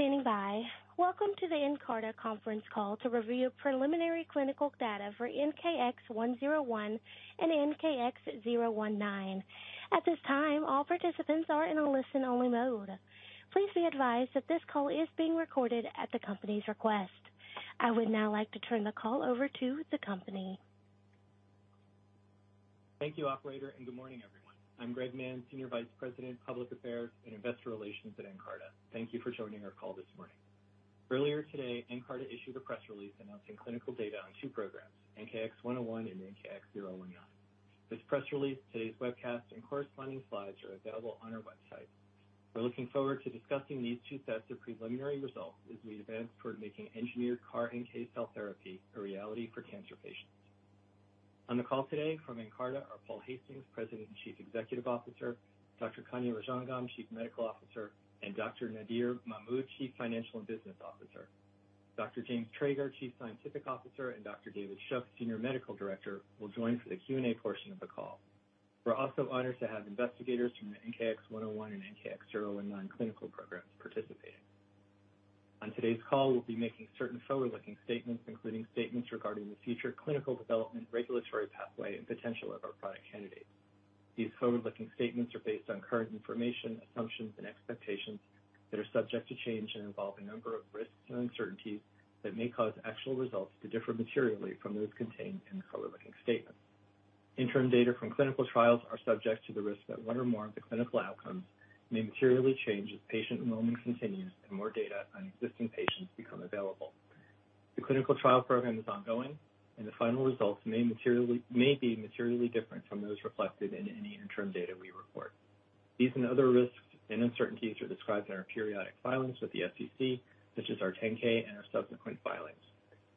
Thank you for standing by. Welcome to the Nkarta conference call to review preliminary clinical data for NKX101 and NKX019. At this time, all participants are in a listen-only mode. Please be advised that this call is being recorded at the company's request. I would now like to turn the call over to the company. Thank you, operator, and good morning, everyone. I'm Greg Mann, Senior Vice President, Public Affairs and Investor Relations at Nkarta. Thank you for joining our call this morning. Earlier today, Nkarta issued a press release announcing clinical data on two programs, NKX101 and NKX019. This press release, today's webcast, and corresponding slides are available on our website. We're looking forward to discussing these two sets of preliminary results as we advance toward making engineered CAR NK cell therapy a reality for cancer patients. On the call today from Nkarta are Paul Hastings, President and Chief Executive Officer, Dr. Kanya Rajangam, Chief Medical Officer, and Dr. Nadir Mahmood, Chief Financial and Business Officer. Dr. James Trager, Chief Scientific Officer, and Dr. David Shook, Senior Medical Director, will join for the Q&A portion of the call. We're also honored to have investigators from the NKX101 and NKX019 clinical programs participating. On today's call, we'll be making certain forward-looking statements, including statements regarding the future clinical development, regulatory pathway, and potential of our product candidates. These forward-looking statements are based on current information, assumptions, and expectations that are subject to change and involve a number of risks and uncertainties that may cause actual results to differ materially from those contained in the forward-looking statements. Interim data from clinical trials are subject to the risk that one or more of the clinical outcomes may materially change as patient enrollment continues and more data on existing patients become available. The clinical trial program is ongoing, and the final results may be materially different from those reflected in any interim data we report. These and other risks and uncertainties are described in our periodic filings with the SEC, such as our 10-K and our subsequent filings.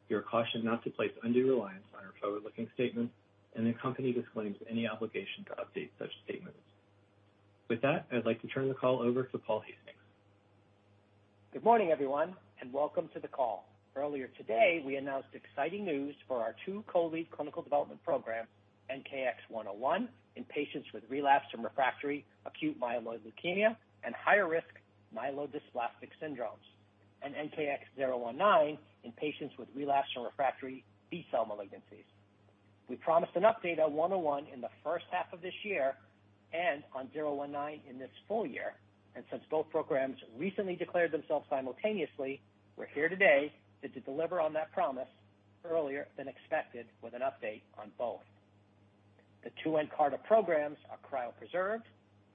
You are cautioned not to place undue reliance on our forward-looking statements, and the company disclaims any obligation to update such statements. With that, I'd like to turn the call over to Paul Hastings. Good morning, everyone, and welcome to the call. Earlier today, we announced exciting news for our two co-lead clinical development programs, NKX101 in patients with relapsed and refractory acute myeloid leukemia and higher risk myelodysplastic syndromes, and NKX019 in patients with relapsed and refractory B-cell malignancies. We promised an update on NKX101 in the first half of this year and on NKX019 in this full year. Since both programs recently declared themselves simultaneously, we're here today to deliver on that promise earlier than expected with an update on both. The two Nkarta programs are cryopreserved.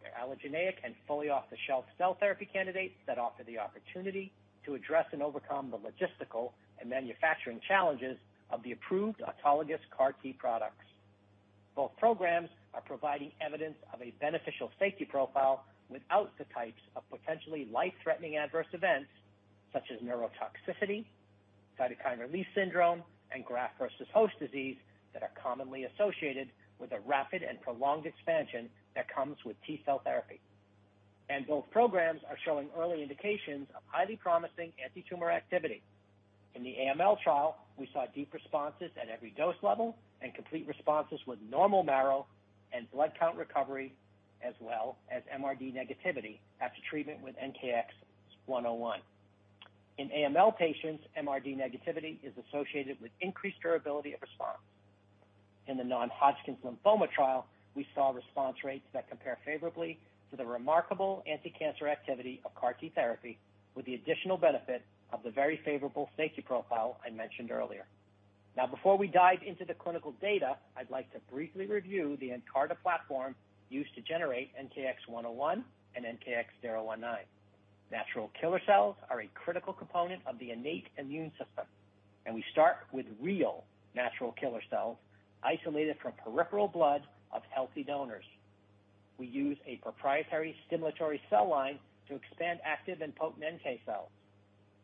They're allogeneic and fully off-the-shelf cell therapy candidates that offer the opportunity to address and overcome the logistical and manufacturing challenges of the approved autologous CAR T products. Both programs are providing evidence of a beneficial safety profile without the types of potentially life-threatening adverse events such as neurotoxicity, cytokine release syndrome, and graft-versus-host disease that are commonly associated with a rapid and prolonged expansion that comes with T-cell therapy. Both programs are showing early indications of highly promising antitumor activity. In the AML trial, we saw deep responses at every dose level and complete responses with normal marrow and blood count recovery, as well as MRD negativity after treatment with NKX101. In AML patients, MRD negativity is associated with increased durability of response. In the non-Hodgkin lymphoma trial, we saw response rates that compare favorably to the remarkable anticancer activity of CAR T therapy with the additional benefit of the very favorable safety profile I mentioned earlier. Now, before we dive into the clinical data, I'd like to briefly review the Nkarta platform used to generate NKX101 and NKX019. Natural killer cells are a critical component of the innate immune system, and we start with real natural killer cells isolated from peripheral blood of healthy donors. We use a proprietary stimulatory cell line to expand active and potent NK cells.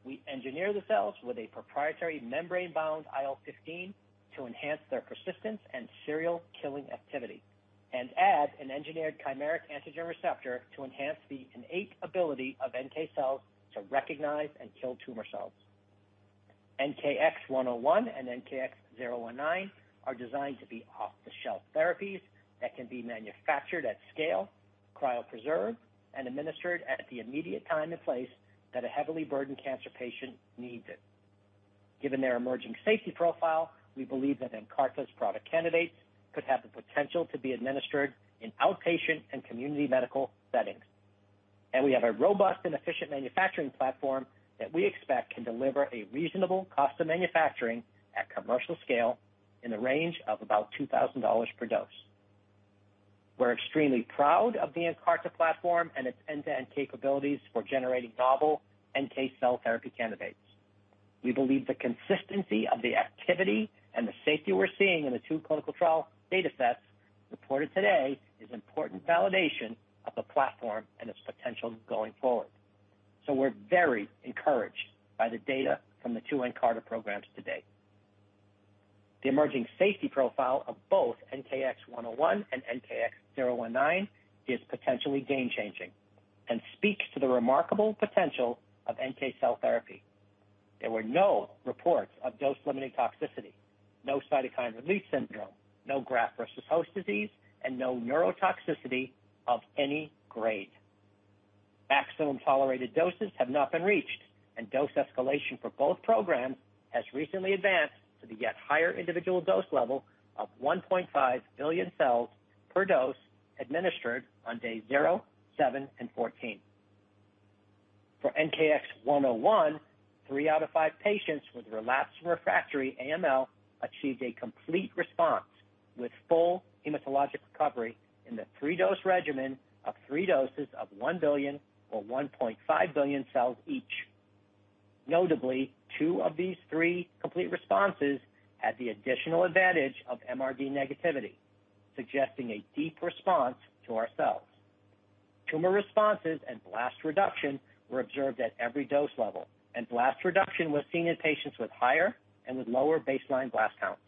We engineer the cells with a proprietary membrane-bound IL-15 to enhance their persistence and serial killing activity and add an engineered chimeric antigen receptor to enhance the innate ability of NK cells to recognize and kill tumor cells. NKX101 and NKX019 are designed to be off-the-shelf therapies that can be manufactured at scale, cryopreserved, and administered at the immediate time and place that a heavily burdened cancer patient needs it. Given their emerging safety profile, we believe that Nkarta's product candidates could have the potential to be administered in outpatient and community medical settings. We have a robust and efficient manufacturing platform that we expect can deliver a reasonable cost of manufacturing at commercial scale in the range of about $2,000 per dose. We're extremely proud of the Nkarta platform and its end-to-end capabilities for generating novel NK cell therapy candidates. We believe the consistency of the activity and the safety we're seeing in the two clinical trial datasets reported today is important validation of the platform and its potential going forward. We're very encouraged by the data from the two Nkarta programs to date. The emerging safety profile of both NKX101 and NKX019 is potentially game-changing and speaks to the remarkable potential of NK cell therapy. There were no reports of dose-limiting toxicity, no cytokine release syndrome, no graft versus host disease, and no neurotoxicity of any grade. Maximum tolerated doses have not been reached, and dose escalation for both programs has recently advanced to the yet higher individual dose level of 1.5 billion cells per dose administered on day zero, seven, and 14. For NKX101, three out of five patients with relapsed refractory AML achieved a complete response with full hematologic recovery in the three-dose regimen of three doses of 1 billion or 1.5 billion cells each. Notably, two of these three complete responses had the additional advantage of MRD negativity, suggesting a deep response to our cells. Tumor responses and blast reduction were observed at every dose level, and blast reduction was seen in patients with higher and with lower baseline blast counts.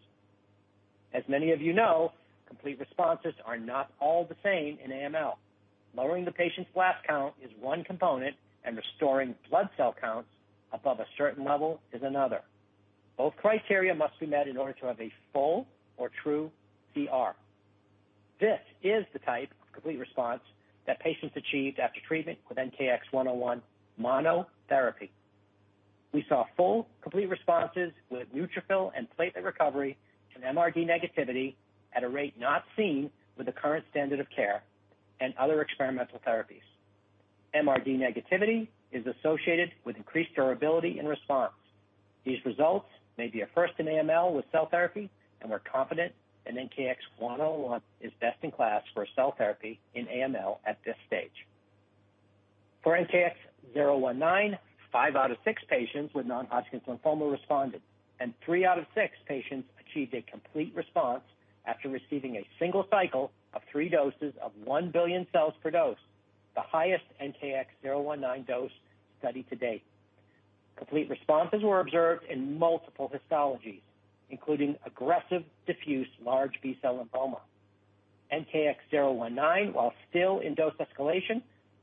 As many of you know, complete responses are not all the same in AML. Lowering the patient's blast count is one component, and restoring blood cell counts above a certain level is another. Both criteria must be met in order to have a full or true CR. This is the type of complete response that patients achieved after treatment with NKX101 monotherapy. We saw full complete responses with neutrophil and platelet recovery and MRD negativity at a rate not seen with the current standard of care and other experimental therapies. MRD negativity is associated with increased durability and response. These results may be a first in AML with cell therapy, and we're confident that NKX101 is best in class for cell therapy in AML at this stage. For NKX019, five out of six patients with non-Hodgkin lymphoma responded, and three out of six patients achieved a complete response after receiving a single cycle of three doses of 1 billion cells per dose, the highest NKX019 dose studied to date. Complete responses were observed in multiple histologies, including aggressive diffuse large B-cell lymphoma. NKX019, while still in dose escalation,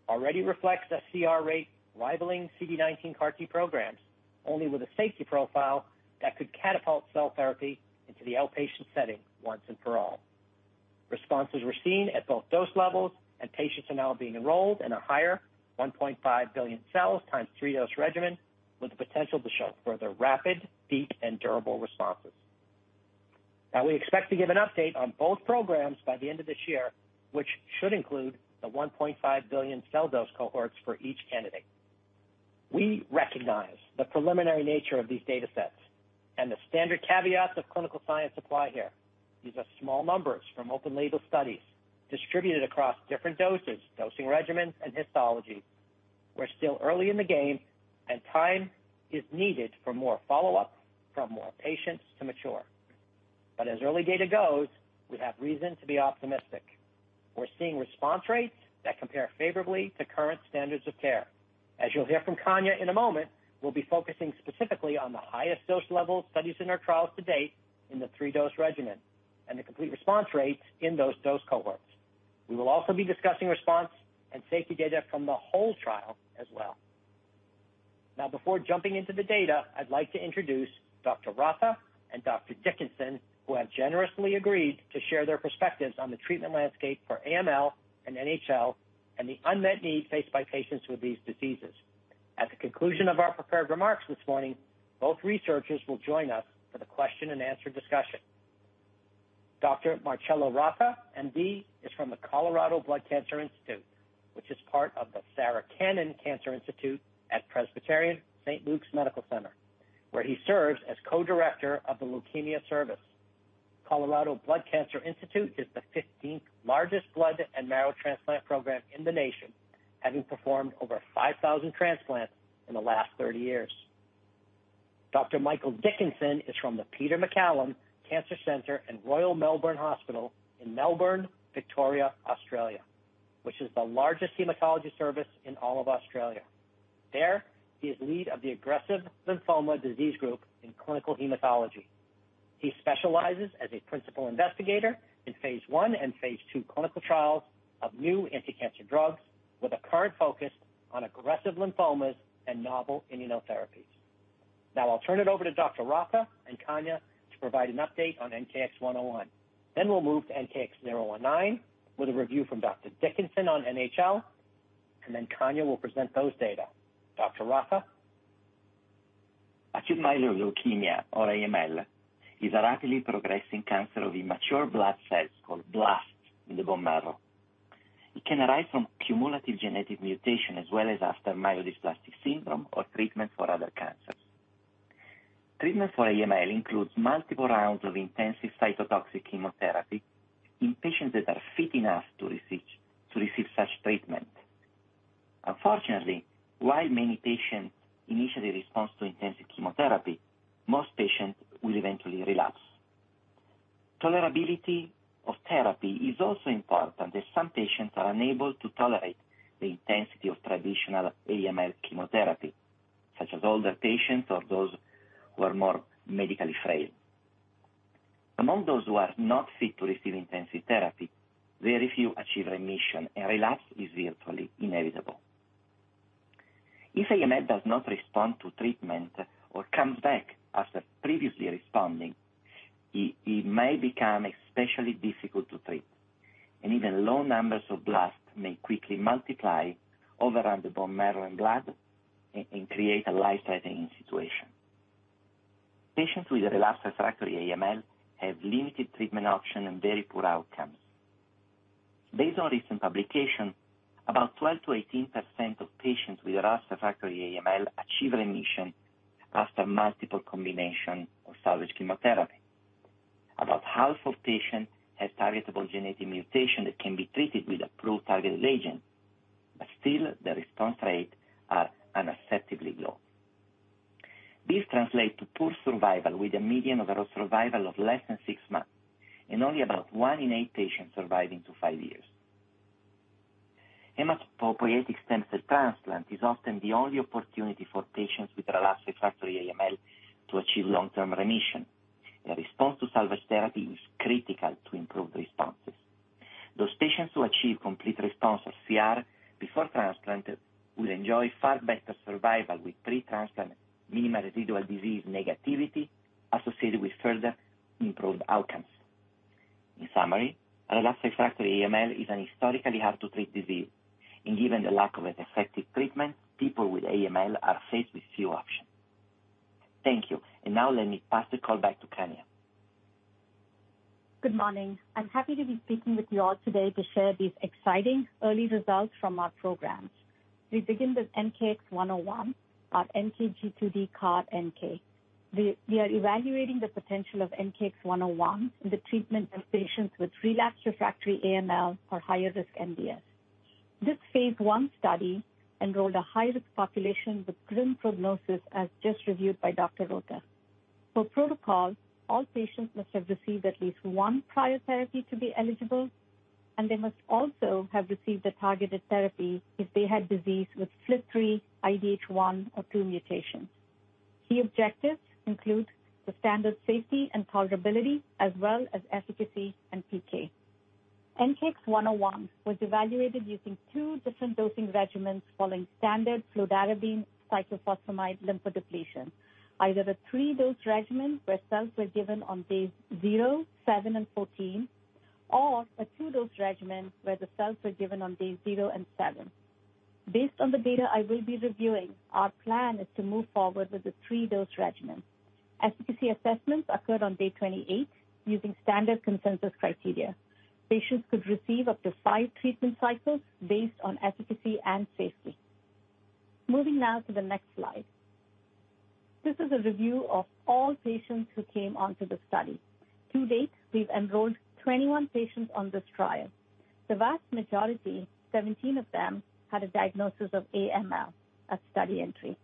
already reflects a CR rate rivaling CD19 CAR-T programs, only with a safety profile that could catapult cell therapy into the outpatient setting once and for all. Responses were seen at both dose levels, and patients are now being enrolled in a higher 1.5 billion cells x3 dose regimen with the potential to show further rapid, deep, and durable responses. Now, we expect to give an update on both programs by the end of this year, which should include the 1.5 billion cell dose cohorts for each candidate. We recognize the preliminary nature of these data sets and the standard caveats of clinical science apply here. These are small numbers from open-label studies distributed across different doses, dosing regimens, and histology. We're still early in the game, and time is needed for more follow-up from more patients to mature. But as early data goes, we have reason to be optimistic. We're seeing response rates that compare favorably to current standards of care. As you'll hear from Kanya in a moment, we'll be focusing specifically on the highest dose level studies in our trials to date in the three-dose regimen and the complete response rates in those dose cohorts. We will also be discussing response and safety data from the whole trial as well. Now, before jumping into the data, I'd like to introduce Dr. Rotta and Dr. Dickinson, who have generously agreed to share their perspectives on the treatment landscape for AML and NHL and the unmet need faced by patients with these diseases. At the conclusion of our prepared remarks this morning, both researchers will join us for the question and answer discussion. Dr. Marcello Rotta, MD, is from the Colorado Blood Cancer Institute, which is part of the Sarah Cannon Cancer Institute at Presbyterian St. Luke's Medical Center, where he serves as co-director of the Leukemia Service. Colorado Blood Cancer Institute is the 15th-largest blood and marrow transplant program in the nation, having performed over 5,000 transplants in the last 30 years. Dr. Michael Dickinson is from the Peter MacCallum Cancer Center and Royal Melbourne Hospital in Melbourne, Victoria, Australia, which is the largest hematology service in all of Australia. There, he is lead of the Aggressive Lymphoma Disease Group in Clinical Hematology. He specializes as a principal investigator in phase I and phase II clinical trials of new anti-cancer drugs with a current focus on aggressive lymphomas and novel immunotherapies. Now I'll turn it over to Dr. Rotta and Kanya to provide an update on NKX101. Then we'll move to NKX019 with a review from Dr. Dickinson on NHL, and then Kanya will present those data. Dr. Rotta? Acute myeloid leukemia, or AML, is a rapidly progressing cancer of immature blood cells called blasts in the bone marrow. It can arise from cumulative genetic mutation as well as after myelodysplastic syndrome or treatment for other cancers. Treatment for AML includes multiple rounds of intensive cytotoxic chemotherapy in patients that are fit enough to receive such treatment. Unfortunately, while many patients initially respond to intensive chemotherapy, most patients will eventually relapse. Tolerability of therapy is also important, as some patients are unable to tolerate the intensity of traditional AML chemotherapy, such as older patients or those who are more medically frail. Among those who are not fit to receive intensive therapy, very few achieve remission, and relapse is virtually inevitable. If AML does not respond to treatment or comes back after previously responding, it may become especially difficult to treat, and even low numbers of blasts may quickly overrun bone marrow and blood and create a life-threatening situation. Patients with relapsed refractory AML have limited treatment options and very poor outcomes. Based on recent publications, about 12%-18% of patients with relapsed refractory AML achieve remission after multiple combinations of salvage chemotherapy. About half of patients have targetable genetic mutations that can be treated with approved targeted agents, but still the response rates are unacceptably low. This translates to poor survival with a median overall survival of less than six months, and only about one in eight patients surviving to five years. Hematopoietic stem cell transplant is often the only opportunity for patients with relapsed refractory AML to achieve long-term remission. A response to salvage therapy is critical to improve responses. Those patients who achieve complete response or CR before transplant will enjoy far better survival with pre-transplant minimal residual disease negativity associated with further improved outcomes. In summary, relapsed refractory AML is an historically hard to treat disease, and given the lack of an effective treatment, people with AML are faced with few options. Thank you. Now let me pass the call back to Kanya. Good morning. I'm happy to be speaking with you all today to share these exciting early results from our programs. We begin with NKX101, our NKG2D CAR-NK. We are evaluating the potential of NKX101 in the treatment of patients with relapsed refractory AML or higher risk MDS. This phase I study enrolled a high-risk population with grim prognosis as just reviewed by Dr. Rotta. For protocol, all patients must have received at least one prior therapy to be eligible, and they must also have received a targeted therapy if they had disease with FLT3, IDH1 or two mutations. Key objectives include the standard safety and tolerability as well as efficacy and PK. NKX101 was evaluated using two different dosing regimens following standard fludarabine cyclophosphamide lymphodepletion, either the three-dose regimen where cells were given on days zero, seven, and 14, or a two-dose regimen where the cells were given on days zero and seven. Based on the data I will be reviewing, our plan is to move forward with the three-dose regimen. Efficacy assessments occurred on day 28 using standard consensus criteria. Patients could receive up to five treatment cycles based on efficacy and safety. Moving now to the next slide. This is a review of all patients who came onto the study. To date, we've enrolled 21 patients on this trial. The vast majority, 17 of them, had a diagnosis of AML at study entry.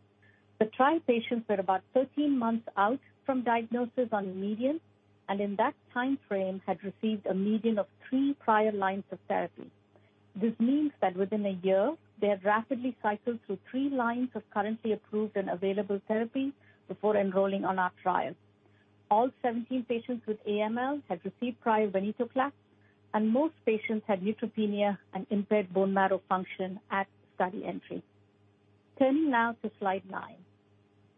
The trial patients were about 13 months out from diagnosis median, and in that timeframe had received a median of three prior lines of therapy. This means that within a year, they had rapidly cycled through three lines of currently approved and available therapy before enrolling on our trial. All 17 patients with AML had received prior venetoclax, and most patients had neutropenia and impaired bone marrow function at study entry. Turning now to slide nine.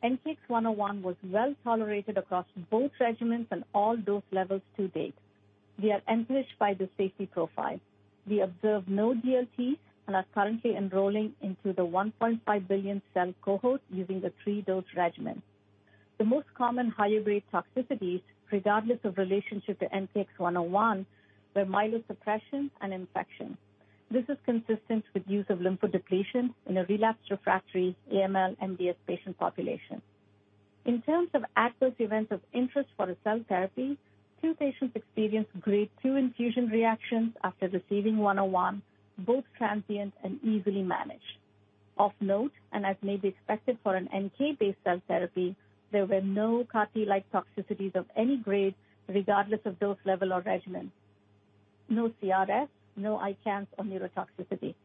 NKX101 was well tolerated across both regimens and all dose levels to date. We are encouraged by the safety profile. We observed no DLT and are currently enrolling into the 1.5 billion cell cohort using the three-dose regimen. The most common higher grade toxicities, regardless of relationship to NKX101, were myelosuppression and infection. This is consistent with use of lymphodepletion in a relapsed refractory AML MDS patient population. In terms of adverse events of interest for a cell therapy, two patients experienced grade two infusion reactions after receiving NKX101, both transient and easily managed. Of note, as may be expected for an NK-based cell therapy, there were no CAR T-like toxicities of any grade, regardless of dose level or regimen. No CRS, no ICANS or neurotoxicity.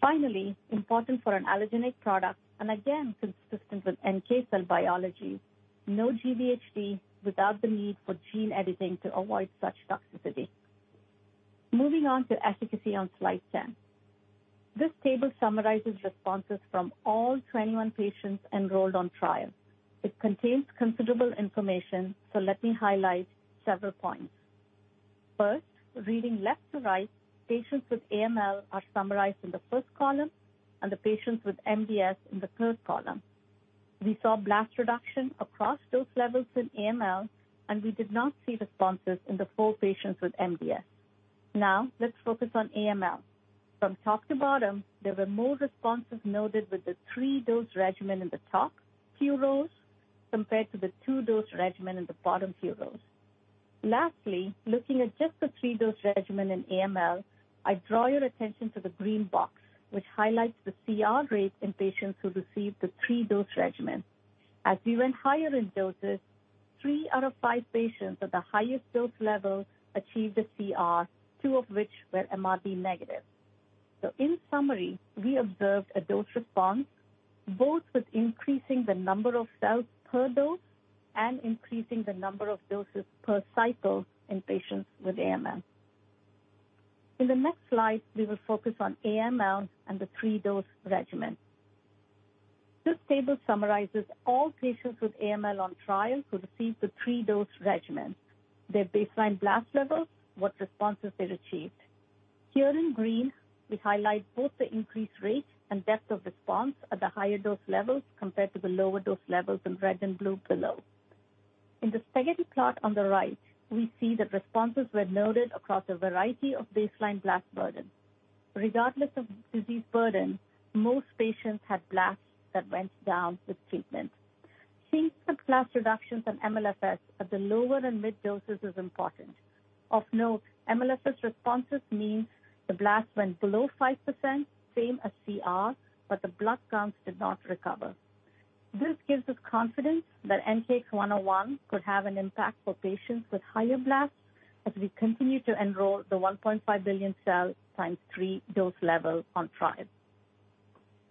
Finally, important for an allogeneic product, again, consistent with NK cell biology, no GvHD without the need for gene editing to avoid such toxicity. Moving on to efficacy on slide 10. This table summarizes responses from all 21 patients enrolled on trial. It contains considerable information, so let me highlight several points. First, reading left to right, patients with AML are summarized in the first column and the patients with MDS in the third column. We saw blast reduction across dose levels in AML, and we did not see responses in the four patients with MDS. Now let's focus on AML. From top to bottom, there were more responses noted with the three-dose regimen in the top few rows compared to the two-dose regimen in the bottom few rows. Lastly, looking at just the three-dose regimen in AML, I draw your attention to the green box, which highlights the CR rate in patients who received the three-dose regimen. As we went higher in doses, three out of five patients at the highest dose level achieved a CR, two of which were MRD negative. In summary, we observed a dose response both with increasing the number of cells per dose and increasing the number of doses per cycle in patients with AML. In the next slide, we will focus on AML and the three-dose regimen. This table summarizes all patients with AML on trial who received the three-dose regimen, their baseline blast levels, what responses they've achieved. Here in green, we highlight both the increased rate and depth of response at the higher dose levels compared to the lower dose levels in red and blue below. In the spaghetti plot on the right, we see that responses were noted across a variety of baseline blast burdens. Regardless of disease burden, most patients had blasts that went down with treatment. Seeing the blast reductions in MLFS at the lower and mid doses is important. Of note, MLFS responses mean the blast went below 5%, same as CR, but the blood counts did not recover. This gives us confidence that NKX101 could have an impact for patients with higher blasts as we continue to enroll the 1.5 billion cell x3 dose level on trial.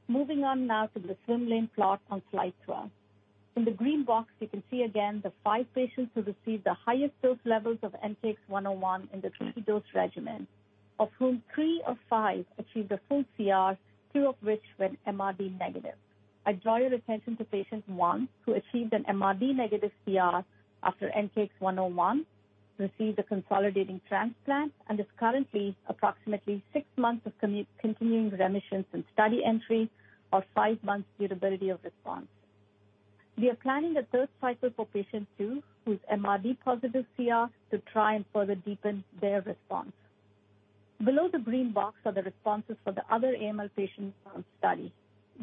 Moving on now to the swim lane plot on slide 12. In the green box you can see again the five patients who received the highest dose levels of NKX101 in the three-dose regimen, of whom three of five achieved a full CR, two of which went MRD negative. I draw your attention to patient one, who achieved an MRD negative CR after NKX101, received a consolidating transplant, and is currently approximately six months of continuing remissions from study entry or five months durability of response. We are planning a third cycle for patient two, whose MRD positive CR to try and further deepen their response. Below the green box are the responses for the other AML patients on study,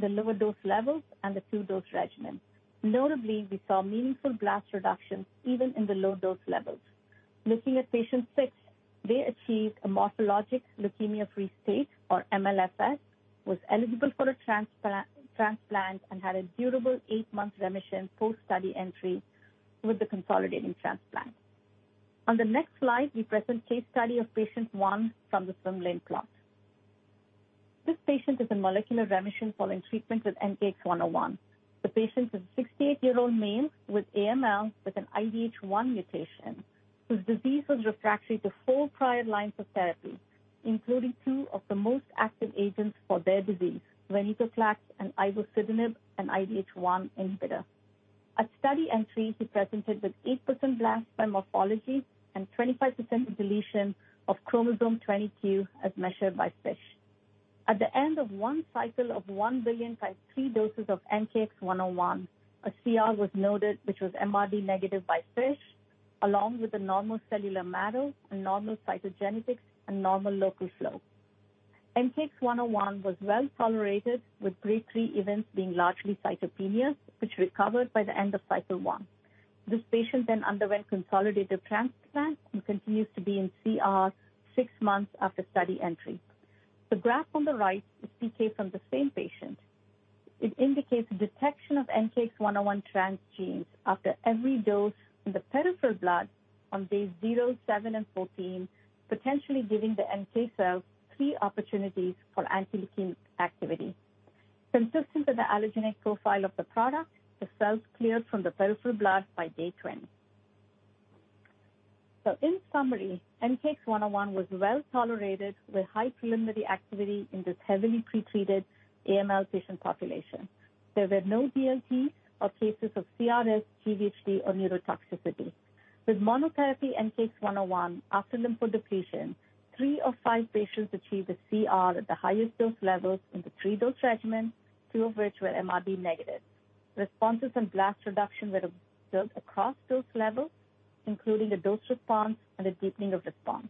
the lower dose levels and the two-dose regimen. Notably, we saw meaningful blast reductions even in the low dose levels. Looking at patient six, they achieved a morphologic leukemia-free state, or MLFS, and was eligible for a transplant, and had a durable eight-month remission post-study entry with the consolidating transplant. On the next slide, we present case study of patient one from the swim lane plot. This patient is in molecular remission following treatment with NKX101. The patient is a 68-year-old male with AML with an IDH1 mutation, whose disease was refractory to four prior lines of therapy, including two of the most active agents for their disease, VENETOCLAX AND IVOSIDENIB, an IDH1 inhibitor. At study entry, he presented with 8% blasts by morphology and 25% deletion of chromosome 22 as measured by FISH. At the end of one cycle of 1 billion x3 doses of NKX101, a CR was noted, which was MRD negative by FISH, along with a normal cellular marrow, normal cytogenetics, and normal flow. NKX101 was well-tolerated, with grade three events being largely CYTOPENIAS, which recovered by the end of cycle one. This patient then underwent consolidative transplant and continues to be in CR six months after study entry. The graph on the right is PK from the same patient. It indicates detection of NKX101 transgenes after every dose in the peripheral blood on days zero, seven, and 14, potentially giving the NK cells three opportunities for anti-leukemia activity. Consistent with the allogeneic profile of the product, the cells cleared from the peripheral blood by day 20. In summary, NKX101 was well-tolerated with high preliminary activity in this heavily pretreated AML patient population. There were no DLT or cases of CRS, GVHD, or neurotoxicity. With monotherapy NKX101 after lymphodepletion, three of five patients achieved a CR at the highest dose levels in the three-dose regimen, two of which were MRD negative. Responses and blast reduction were observed across dose levels, including a dose response and a deepening of response.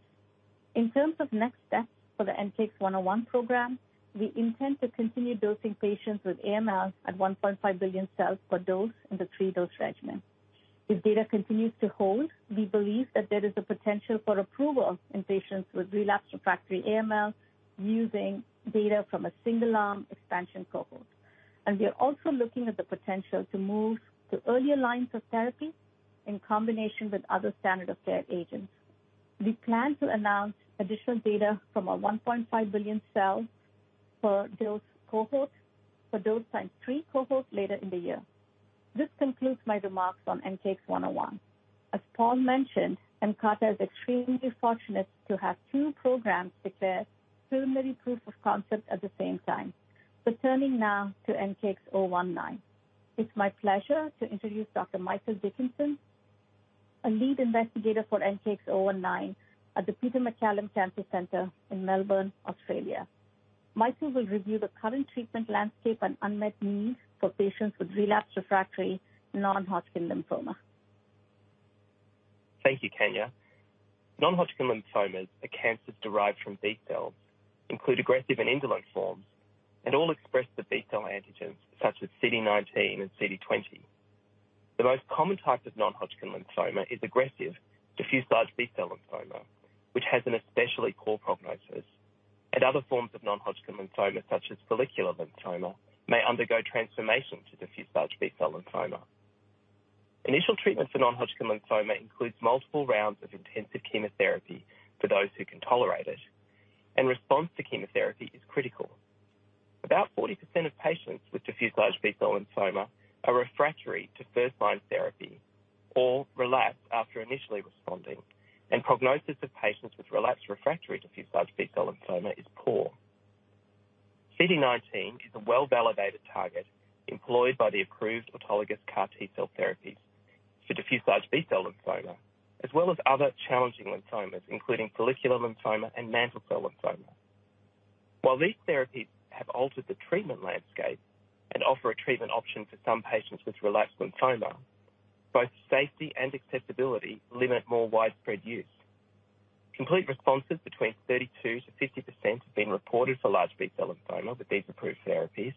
In terms of next steps for the NKX101 program, we intend to continue dosing patients with AML at 1.5 billion cells per dose in the three-dose regimen. If data continues to hold, we believe that there is a potential for approval in patients with relapsed refractory AML using data from a single arm expansion cohort. We are also looking at the potential to move to earlier lines of therapy in combination with other standard of care agents. We plan to announce additional data from our 1.5 billion cells per dose cohort, per dose times three cohort later in the year. This concludes my remarks on NKX101. As Paul mentioned, Nkarta is extremely fortunate to have two programs declare preliminary proof of concept at the same time. Turning now to NKX019, it's my pleasure to introduce Dr. Michael Dickinson, a lead investigator for NKX019 at the Peter MacCallum Cancer Centre in Melbourne, Australia. Michael will review the current treatment landscape and unmet needs for patients with relapsed refractory non-Hodgkin lymphoma. Thank you, Kanya. Non-Hodgkin lymphomas are cancers derived from B cells, include aggressive and indolent forms, and all express the B-cell antigens such as CD19 and CD20. The most common type of non-Hodgkin lymphoma is aggressive diffuse large B-cell lymphoma, which has an especially poor prognosis. Other forms of non-Hodgkin lymphoma, such as follicular lymphoma, may undergo transformation to diffuse large B-cell lymphoma. Initial treatment for non-Hodgkin lymphoma includes multiple rounds of intensive chemotherapy for those who can tolerate it, and response to chemotherapy is critical. About 40% of patients with diffuse large B-cell lymphoma are refractory to first-line therapy or relapse after initially responding, and prognosis of patients with relapsed refractory diffuse large B-cell lymphoma is poor. CD19 is a well-validated target employed by the approved autologous CAR T-cell therapies for diffuse large B-cell lymphoma, as well as other challenging lymphomas including follicular lymphoma and mantle cell lymphoma. While these therapies have altered the treatment landscape and offer a treatment option for some patients with relapse lymphoma, both safety and acceptability limit more widespread use. Complete responses between 32%-50% have been reported for large B-cell lymphoma with these approved therapies,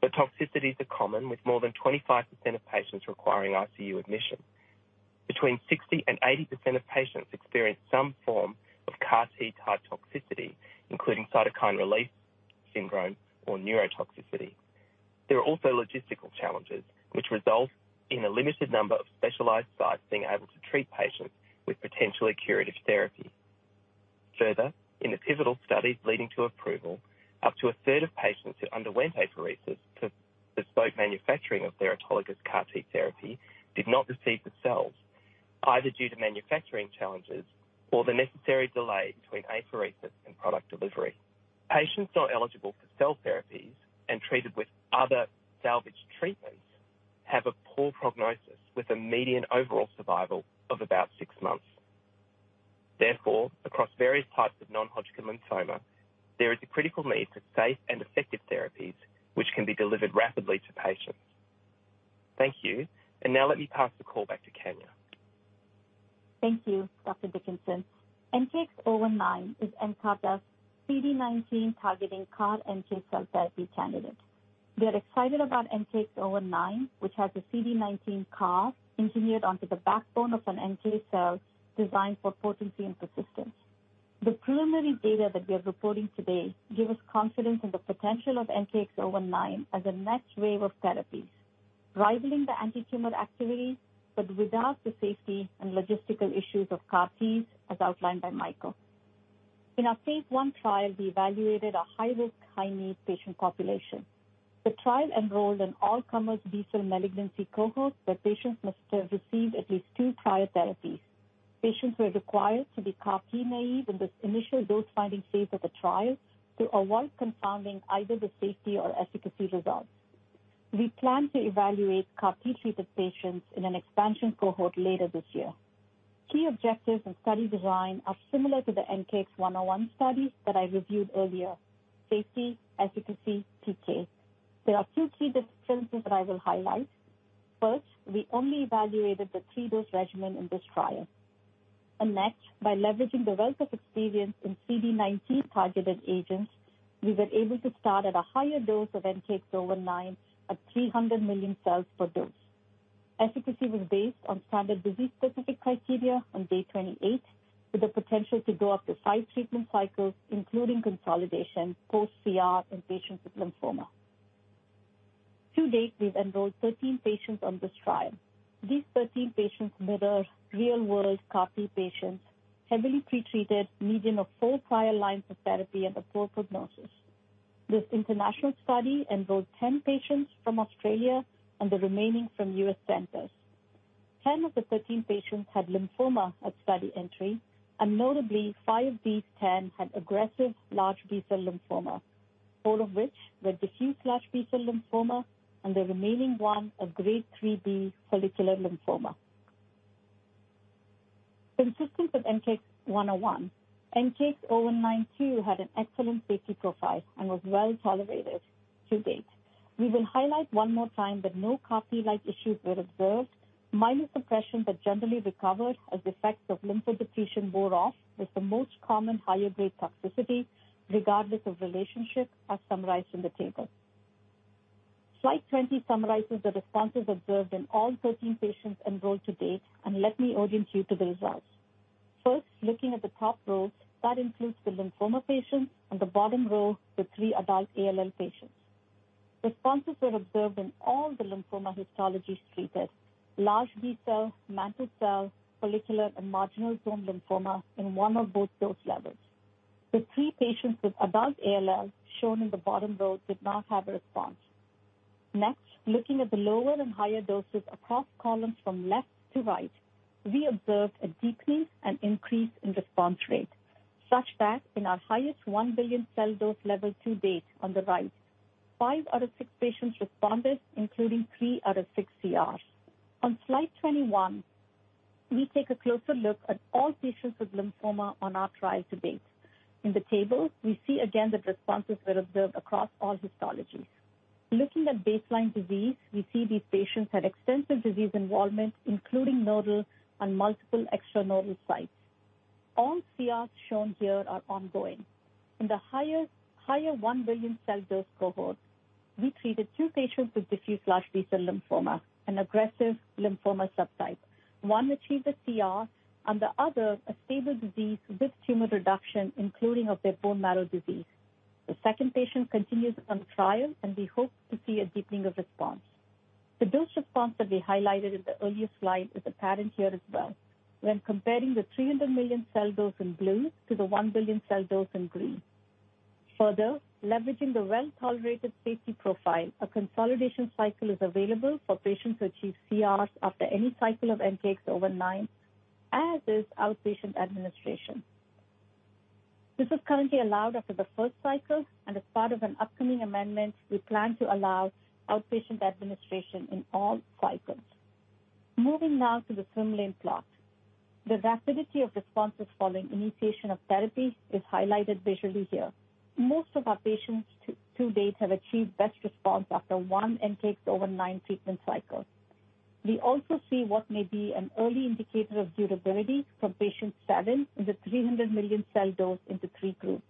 but toxicities are common, with more than 25% of patients requiring ICU admission. Between 60% and 80% of patients experience some form of CAR T-type toxicity, including cytokine release syndrome or neurotoxicity. There are also logistical challenges, which result in a limited number of specialized sites being able to treat patients with potentially curative therapy. Further, in the pivotal studies leading to approval, up to a third of patients who underwent apheresis to bespoke manufacturing of their autologous CAR T therapy did not receive the cells, either due to manufacturing challenges or the necessary delay between apheresis and product delivery. Patients not eligible for cell therapies and treated with other salvage treatments have a poor prognosis, with a median overall survival of about six months. Therefore, across various types of non-Hodgkin lymphoma, there is a critical need for safe and effective therapies which can be delivered rapidly to patients. Thank you, and now let me pass the call back to Kanya. Thank you, Dr. Dickinson. NKX019 is in fact a CD19-targeting CAR NK cell therapy candidate. We are excited about NKX019, which has a CD19 CAR engineered onto the backbone of an NK cell designed for potency and persistence. The preliminary data that we are reporting today give us confidence in the potential of NKX019 as a next wave of therapies, rivaling the antitumor activity, but without the safety and logistical issues of CAR Ts, as outlined by Michael. In our phase I trial, we evaluated a high-risk, high-need patient population. The trial enrolled an all-comers B-cell malignancy cohort, where patients must have received at least two prior therapies. Patients were required to be CAR T naive in this initial dose-finding phase of the trial to avoid confounding either the safety or efficacy results. We plan to evaluate CAR T-treated patients in an expansion cohort later this year. Key objectives and study design are similar to the NKX101 study that I reviewed earlier: safety, efficacy, TK. There are two key differences that I will highlight. First, we only evaluated the three-dose regimen in this trial. Next, by leveraging the wealth of experience in CD19-targeted agents, we were able to start at a higher dose of NKX019 at 300 million cells per dose. Efficacy was based on standard disease-specific criteria on day 28, with the potential to go up to five treatment cycles, including consolidation, post CR in patients with lymphoma. To date, we've enrolled 13 patients on this trial. These 13 patients mirror real-world CAR T patients, heavily pretreated, median of four prior lines of therapy and a poor prognosis. This international study enrolled 10 patients from Australia and the remaining from U.S. centers. 10 of the 13 patients had lymphoma at study entry, and notably, five of these 10 had aggressive large B-cell lymphoma, four of which were diffuse large B-cell lymphoma and the remaining one, a grade 3 B follicular lymphoma. Consistent with NKX101, NKX019 too had an excellent safety profile and was well-tolerated to date. We will highlight one more time that no CAR T-like issues were observed. Myelosuppression that generally recovered as effects of lymphodepletion wore off was the most common higher grade toxicity, regardless of relationship, as summarized in the table. Slide 20 summarizes the responses observed in all 13 patients enrolled to date, and let me orient you to the results. First, looking at the top rows, that includes the lymphoma patients and the bottom row, the three adult ALL patients. Responses were observed in all the lymphoma histologies treated, large B-cell, mantle cell, follicular, and marginal zone lymphoma in one or both dose levels. The three patients with adult ALL shown in the bottom row did not have a response. Next, looking at the lower and higher doses across columns from left to right, we observed a decrease and increase in response rate, such that in our highest 1 billion cell dose level to date on the right, five out of six patients responded, including three out of six CRs. On slide 21, we take a closer look at all patients with lymphoma on our trial to date. In the table, we see again that responses were observed across all histologies. Looking at baseline disease, we see these patients had extensive disease involvement, including nodal and multiple extra-nodal sites. All CRs shown here are ongoing. In the higher 1 billion cell dose cohort, we treated two patients with diffuse large B-cell lymphoma, an aggressive lymphoma subtype. One achieved a CR and the other, a stable disease with tumor reduction, including of their bone marrow disease. The second patient continues on trial, and we hope to see a deepening of response. The dose response that we highlighted in the earlier slide is apparent here as well when comparing the 300 million cell dose in blue to the 1 billion cell dose in green. Further, leveraging the well-tolerated safety profile, a consolidation cycle is available for patients to achieve CRs after any cycle of NKX019, as is outpatient administration. This is currently allowed after the first cycle, and as part of an upcoming amendment, we plan to allow outpatient administration in all cycles. Moving now to the swim lane plot. The rapidity of responses following initiation of therapy is highlighted visually here. Most of our patients to date have achieved best response after one NKX019 treatment cycle. We also see what may be an early indicator of durability for patient seven in the 300 million cell dose in the x3 group.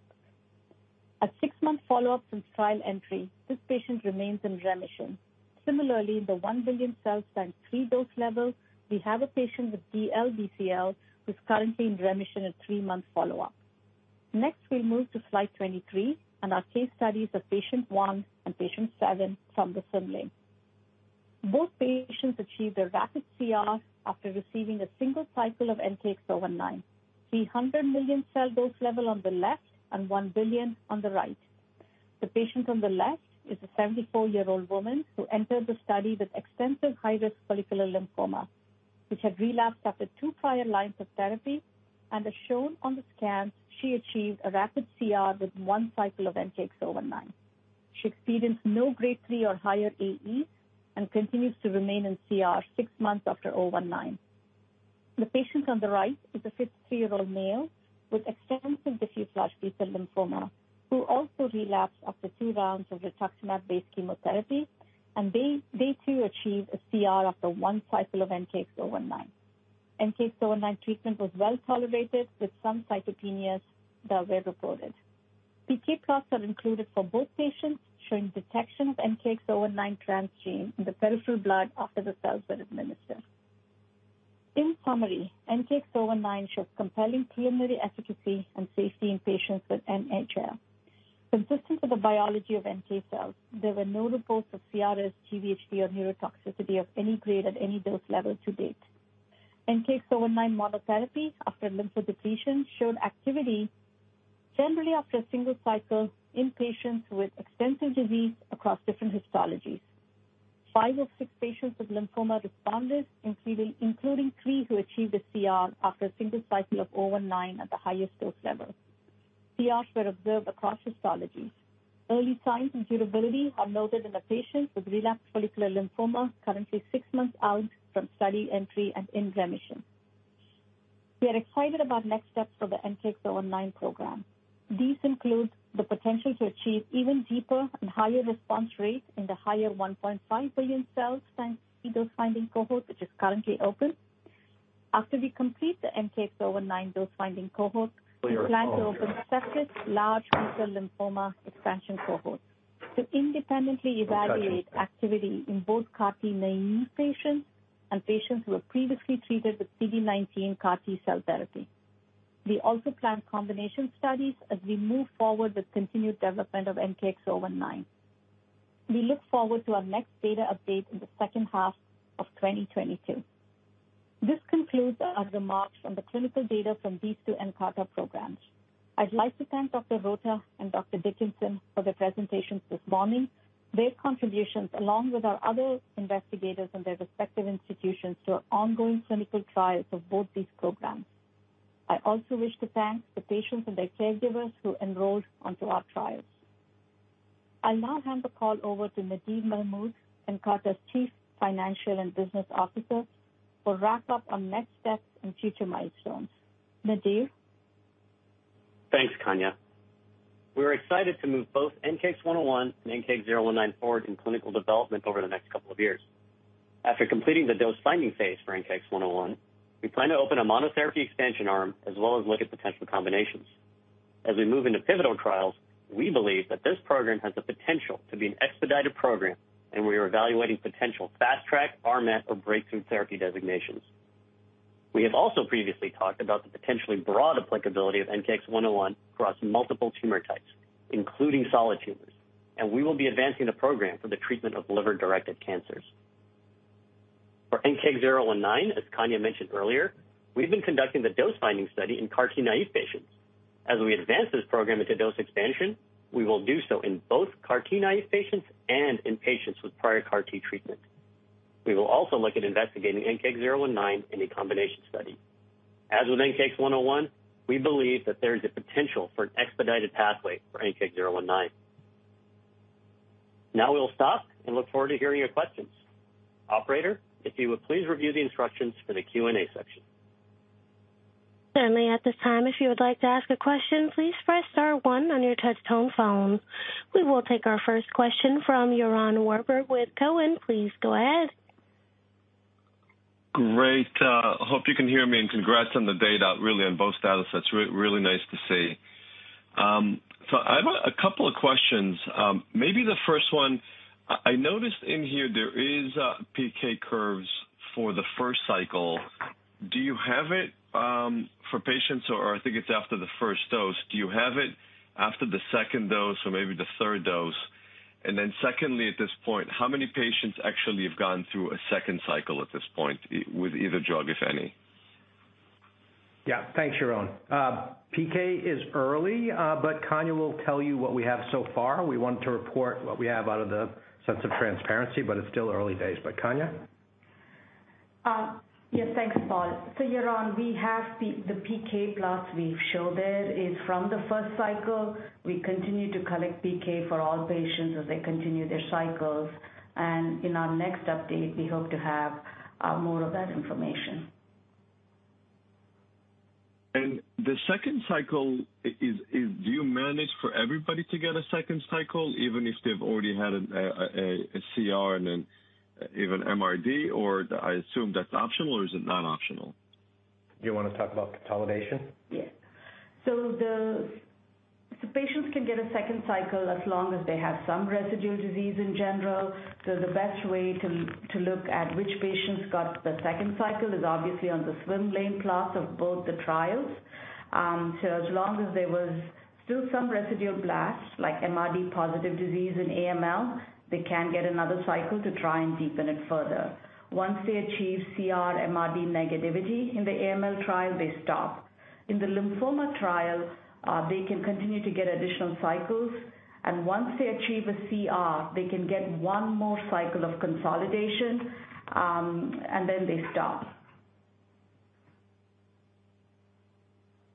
At six-month follow-up from trial entry, this patient remains in remission. Similarly, in the 1 billion cell x3 dose level, we have a patient with DLBCL who's currently in remission at three-month follow-up. Next, we move to slide 23 and our case studies of patient 1 and patient seven from the swim lane. Both patients achieved a rapid CR after receiving a single cycle of NKX019. 300 million cell dose level on the left and 1 billion on the right. The patient on the left is a 74-year-old woman who entered the study with extensive high-risk follicular lymphoma, which had relapsed after two prior lines of therapy. As shown on the scans, she achieved a rapid CR with one cycle of NKX019. She experienced no grade three or higher AEs and continues to remain in CR six months after NKX019. The patient on the right is a 53-year-old male with extensive diffuse large B-cell lymphoma who also relapsed after two rounds of RITUXIMAB-based chemotherapy, and they too achieved a CR after one cycle of NKX019. NKX019 treatment was well-tolerated, with some CYTOPENIA that were reported. PK plots are included for both patients, showing detection of NKX019 transgene in the peripheral blood after the cells were administered. In summary, NKX019 shows compelling preliminary efficacy and safety in patients with NHL. Consistent with the biology of NK cells, there were no reports of CRS, GvHD, or neurotoxicity of any grade at any dose level to date. NKX019 monotherapy after lymphodepletion showed activity generally after a single cycle in patients with extensive disease across different histologies. five of six patients with lymphoma responded, including three who achieved a CR after a single cycle of NKX019 at the highest dose level. CRs were observed across histologies. Early signs and durability are noted in a patient with relapsed follicular lymphoma, currently six months out from study entry and in remission. We are excited about next steps for the NKX019 program. These include the potential to achieve even deeper and higher response rates in the higher 1.5 billion cells x2 dose finding cohort, which is currently open. After we complete the NKX019 dose finding cohort, we plan to open a separate large lymphoma expansion cohort to independently evaluate activity in both CAR T naive patients and patients who were previously treated with CD19 CAR T-cell therapy. We also plan combination studies as we move forward with continued development of NKX019. We look forward to our next data update in the second half of 2022. This concludes our remarks on the clinical data from these two Nkarta programs. I'd like to thank Dr. Rotta and Dr. Dickinson for their presentations this morning and their contributions, along with our other investigators and their respective institutions, to our ongoing clinical trials of both these programs. I also wish to thank the patients and their caregivers who enrolled onto our trials. I'll now hand the call over to Nadir Mahmood, Nkarta's Chief Financial and Business Officer, for wrap up on next steps and future milestones. Nadir? Thanks, Kanya. We are excited to move both NKX101 and NKX019 forward in clinical development over the next couple of years. After completing the dose finding phase for NKX101, we plan to open a monotherapy expansion arm as well as look at potential combinations. As we move into pivotal trials, we believe that this program has the potential to be an expedited program, and we are evaluating potential fast track, RMAT, or breakthrough therapy designations. We have also previously talked about the potentially broad applicability of NKX101 across multiple tumor types, including solid tumors, and we will be advancing the program for the treatment of liver-directed cancers. For NKX019, as Kanya mentioned earlier, we've been conducting the dose finding study in CAR T naive patients. As we advance this program into dose expansion, we will do so in both CAR T naive patients and in patients with prior CAR T treatment. We will also look at investigating NKX019 in a combination study. As with NKX101, we believe that there is a potential for an expedited pathway for NKX019. Now we will stop and look forward to hearing your questions. Operator, if you would please review the instructions for the Q&A section. Certainly. At this time, if you would like to ask a question, please press star one on your touchtone phone. We will take our first question from Yaron Werber with Cowen. Please go ahead. Great. Hope you can hear me, and congrats on the data, really on both datasets. Really nice to see. I have a couple of questions. Maybe the first one. I noticed in here there is PK curves for the first cycle. Do you have it for patients, or I think it's after the first dose, do you have it after the second dose or maybe the third dose? Secondly, at this point, how many patients actually have gone through a second cycle at this point with either drug, if any? Yeah. Thanks, Yaron. PK is early, but Kanya will tell you what we have so far. We want to report what we have out of the sense of transparency, but it's still early days. Kanya? Yes. Thanks, Paul. Yaron, we have the PK plots we've showed there is from the first cycle. We continue to collect PK for all patients as they continue their cycles. In our next update, we hope to have more of that information. The second cycle. Do you manage for everybody to get a second cycle, even if they've already had a CR and even an MRD? Or I assume that's optional or is it not optional? You wanna talk about consolidation? Yeah. The patients can get a second cycle as long as they have some residual disease in general. The best way to look at which patients got the second cycle is obviously on the swim lane plot of both the trials. As long as there was still some residual blast, like MRD positive disease in AML, they can get another cycle to try and deepen it further. Once they achieve CR MRD negativity in the AML trial, they stop. In the lymphoma trial, they can continue to get additional cycles, and once they achieve a CR, they can get one more cycle of consolidation, and then they stop.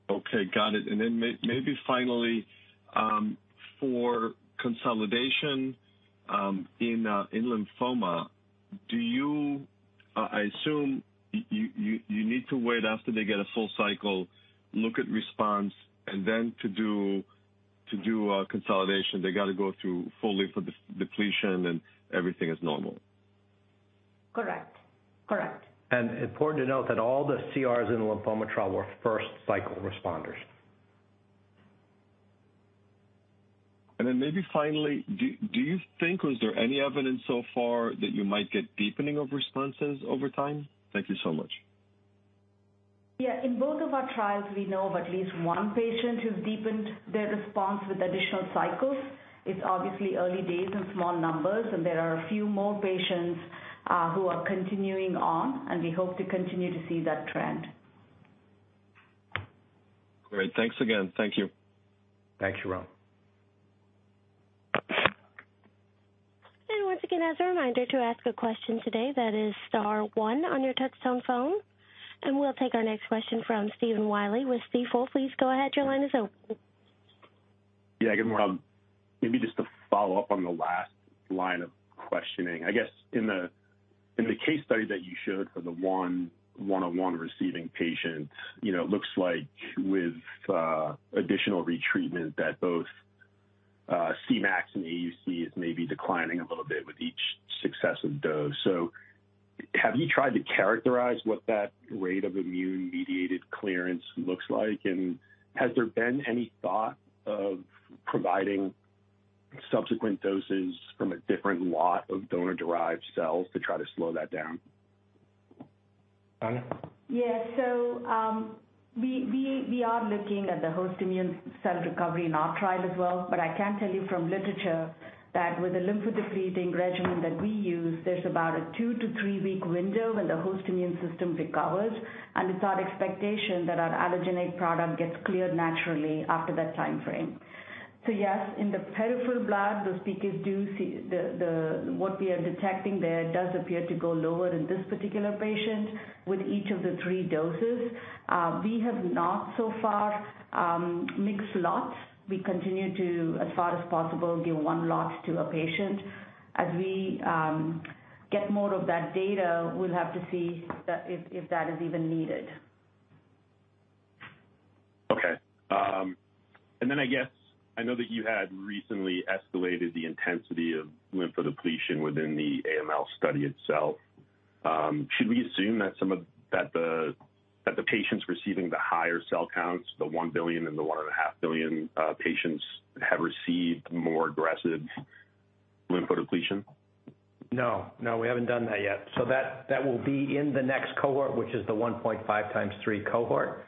Okay, got it. Maybe finally, for consolidation in lymphoma, I assume you need to wait after they get a full cycle, look at response, and then to do consolidation, they got to go through full lymphodepletion and everything is normal. Correct. Correct. Important to note that all the CRs in the lymphoma trial were first cycle responders. Maybe finally, do you think or is there any evidence so far that you might get deepening of responses over time? Thank you so much. Yeah. In both of our trials, we know of at least one patient who's deepened their response with additional cycles. It's obviously early days and small numbers, and there are a few more patients who are continuing on, and we hope to continue to see that trend. Great. Thanks again. Thank you. Thanks, Yaron. Once again, as a reminder, to ask a question today, that is star one on your touchtone phone. We'll take our next question from Stephen Willey with Stifel. Please go ahead, your line is open. Yeah, good morning. Maybe just to follow up on the last line of questioning. I guess in the case study that you showed for the one-on-one receiving patient, you know, it looks like with additional retreatment that both Cmax and AUC is maybe declining a little bit with each successive dose. Have you tried to characterize what that rate of immune-mediated clearance looks like? And has there been any thought of providing subsequent doses from a different lot of donor-derived cells to try to slow that down? Kanya? Yeah. We are looking at the host immune cell recovery in our trial as well, but I can tell you from literature that with the lymphodepleting regimen that we use, there's about a two-three-week window when the host immune system recovers, and it's our expectation that our allogeneic product gets cleared naturally after that timeframe. Yes, in the peripheral blood, what we are detecting there does appear to go lower in this particular patient with each of the three doses. We have not so far mixed lots. We continue to, as far as possible, give one lot to a patient. As we get more of that data, we'll have to see if that is even needed. Okay. I guess I know that you had recently escalated the intensity of lymphodepletion within the AML study itself. Should we assume that the patients receiving the higher cell counts, the 1 billion and the 1.5 billion, have received more aggressive lymphodepletion? No, we haven't done that yet. That will be in the next cohort, which is the 1.5 x 3 cohort.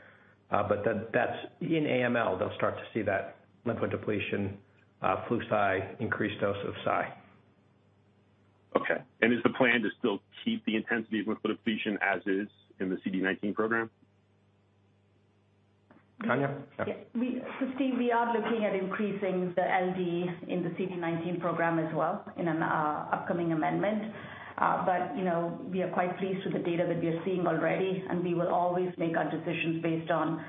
That's in AML, they'll start to see that lymphodepletion, flu/cy increased dose of cy. Okay. Is the plan to still keep the intensity of lymphodepletion as is in the CD19 program? Kanya? Steve, we are looking at increasing the LD in the CD19 program as well in an upcoming amendment. But you know, we are quite pleased with the data that we are seeing already, and we will always make our decisions based on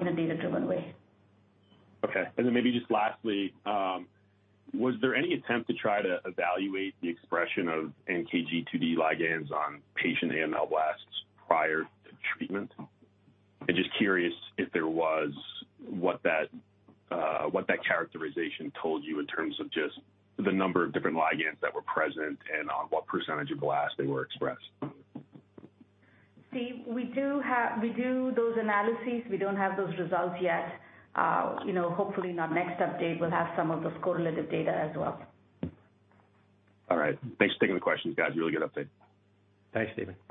in a data-driven way. Okay. Then maybe just lastly, was there any attempt to try to evaluate the expression of NKG2D ligands on patient AML blasts prior to treatment? I'm just curious if there was, what that characterization told you in terms of just the number of different ligands that were present and on what percentage of blasts they were expressed. See, we do those analyses. We don't have those results yet. You know, hopefully in our next update, we'll have some of those correlative data as well. All right. Thanks for taking the questions, guys. Really good update. Thanks, Stephen. We'll take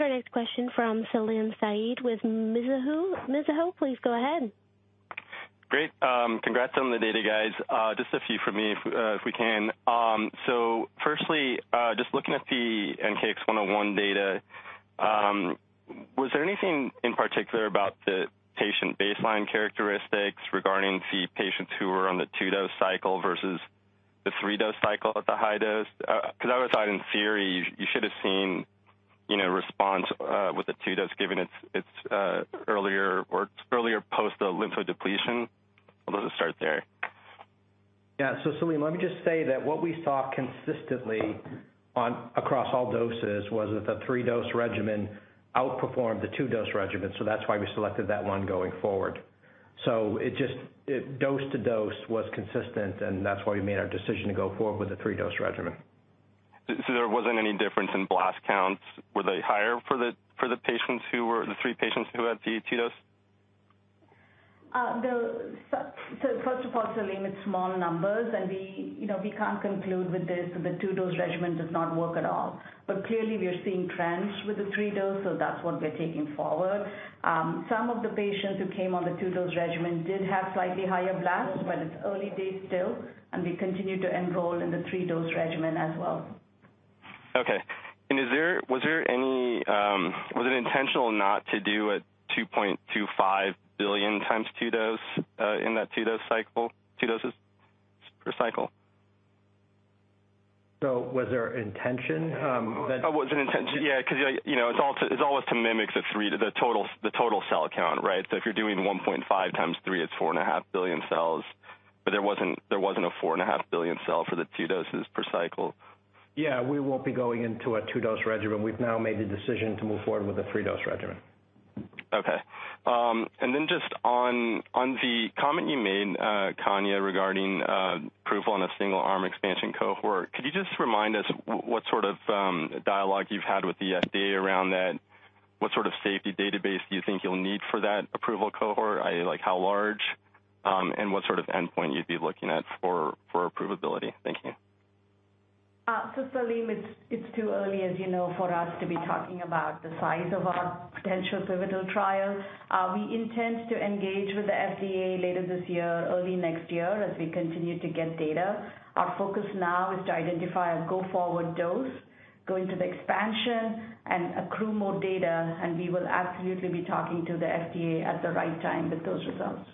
our next question from Salim Syed with Mizuho. Mizuho, please go ahead. Great. Congrats on the data, guys. Just a few from me if we can. So firstly, just looking at the NKX101 data, was there anything in particular about the patient baseline characteristics regarding the patients who were on the two-dose cycle versus the three-dose cycle at the high dose? 'Cause I always thought in theory you should have seen, you know, response with the two-dose given its earlier post the lymphodepletion. I'll just start there. Yeah. Salim, let me just say that what we saw consistently across all doses was that the three-dose regimen outperformed the two-dose regimen, so that's why we selected that one going forward. It dose-to-dose was consistent, and that's why we made our decision to go forward with the three-dose regimen. there wasn't any difference in blast counts? Were they higher for the three patients who had the two dose? First of all, Salim, it's small numbers and we, you know, we can't conclude from this that the two-dose regimen does not work at all. But clearly we are seeing trends with the three-dose, so that's what we're taking forward. Some of the patients who came on the two-dose regimen did have slightly higher blasts, but it's early days still, and we continue to enroll in the three-dose regimen as well. Was it intentional not to do a 2.25 billion x2 dose in that two-dose cycle, two doses per cycle? Was there intention? Oh, was there intention? Yeah, 'cause like, you know, it's always to mimic the three, the total cell count, right? So if you're doing 1.5 × 3, it's 4.5 billion cells, but there wasn't a 4.5 billion cell for the two doses per cycle. Yeah, we won't be going into a two-dose regimen. We've now made the decision to move forward with a three-dose regimen. Okay. Just on the comment you made, Kanya, regarding approval on a single-arm expansion cohort, could you just remind us what sort of dialogue you've had with the FDA around that? What sort of safety database do you think you'll need for that approval cohort, i.e., like how large, and what sort of endpoint you'd be looking at for approvability? Thank you. Salim, it's too early, as you know, for us to be talking about the size of our potential pivotal trial. We intend to engage with the FDA later this year, early next year, as we continue to get data. Our focus now is to identify a go-forward dose, go into the expansion and accrue more data, and we will absolutely be talking to the FDA at the right time with those results.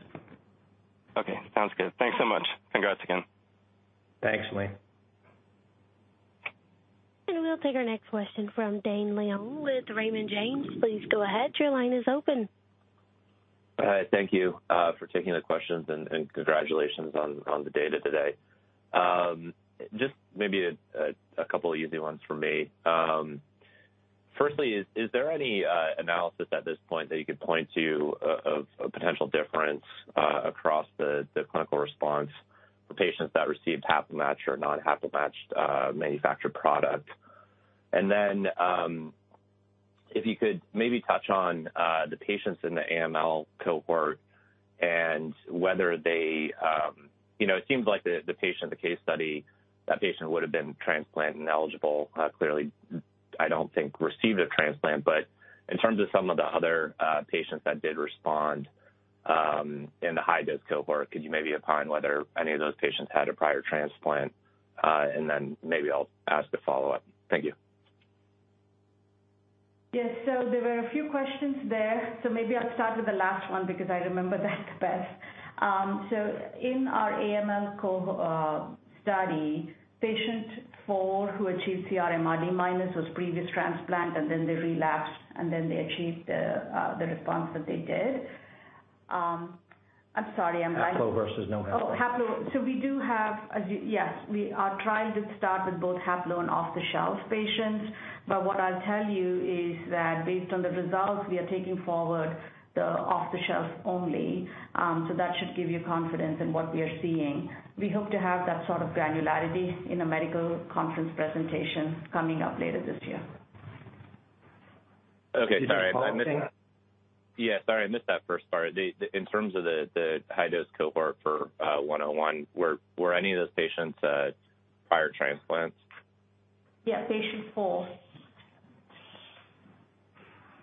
Okay. Sounds good. Thanks so much. Congrats again. Thanks, Salim. We'll take our next question from Dane Leone with Raymond James. Please go ahead. Your line is open. All right. Thank you for taking the questions and congratulations on the data today. Just maybe a couple of easy ones from me. Firstly, is there any analysis at this point that you could point to of a potential difference across the clinical response for patients that received haplo-matched or not haplo-matched manufactured product? And then, if you could maybe touch on the patients in the AML cohort and whether they... You know, it seems like the patient, the case study, that patient would've been transplant ineligible. Clearly, I don't think received a transplant, but in terms of some of the other patients that did respond in the high-dose cohort, could you maybe opine whether any of those patients had a prior transplant? And then maybe I'll ask a follow-up. Thank you. Yes. There were a few questions there. Maybe I'll start with the last one because I remember that the best. In our AML study, patient four who achieved CRMRD minus was previous transplant, and then they relapsed, and then they achieved the response that they did. I'm sorry, I'm back. Haplo versus no haplo. Haplo. We do have. Yes, we are trying to start with both haplo and off-the-shelf patients. What I'll tell you is that based on the results, we are taking forward the off-the-shelf only. That should give you confidence in what we are seeing. We hope to have that sort of granularity in a medical conference presentation coming up later this year. Okay. Sorry, I missed that. Is it a follow-up, Dane? Yeah, sorry, I missed that first part. In terms of the high-dose cohort for 101, were any of those patients prior transplants? Yeah. Patient 4.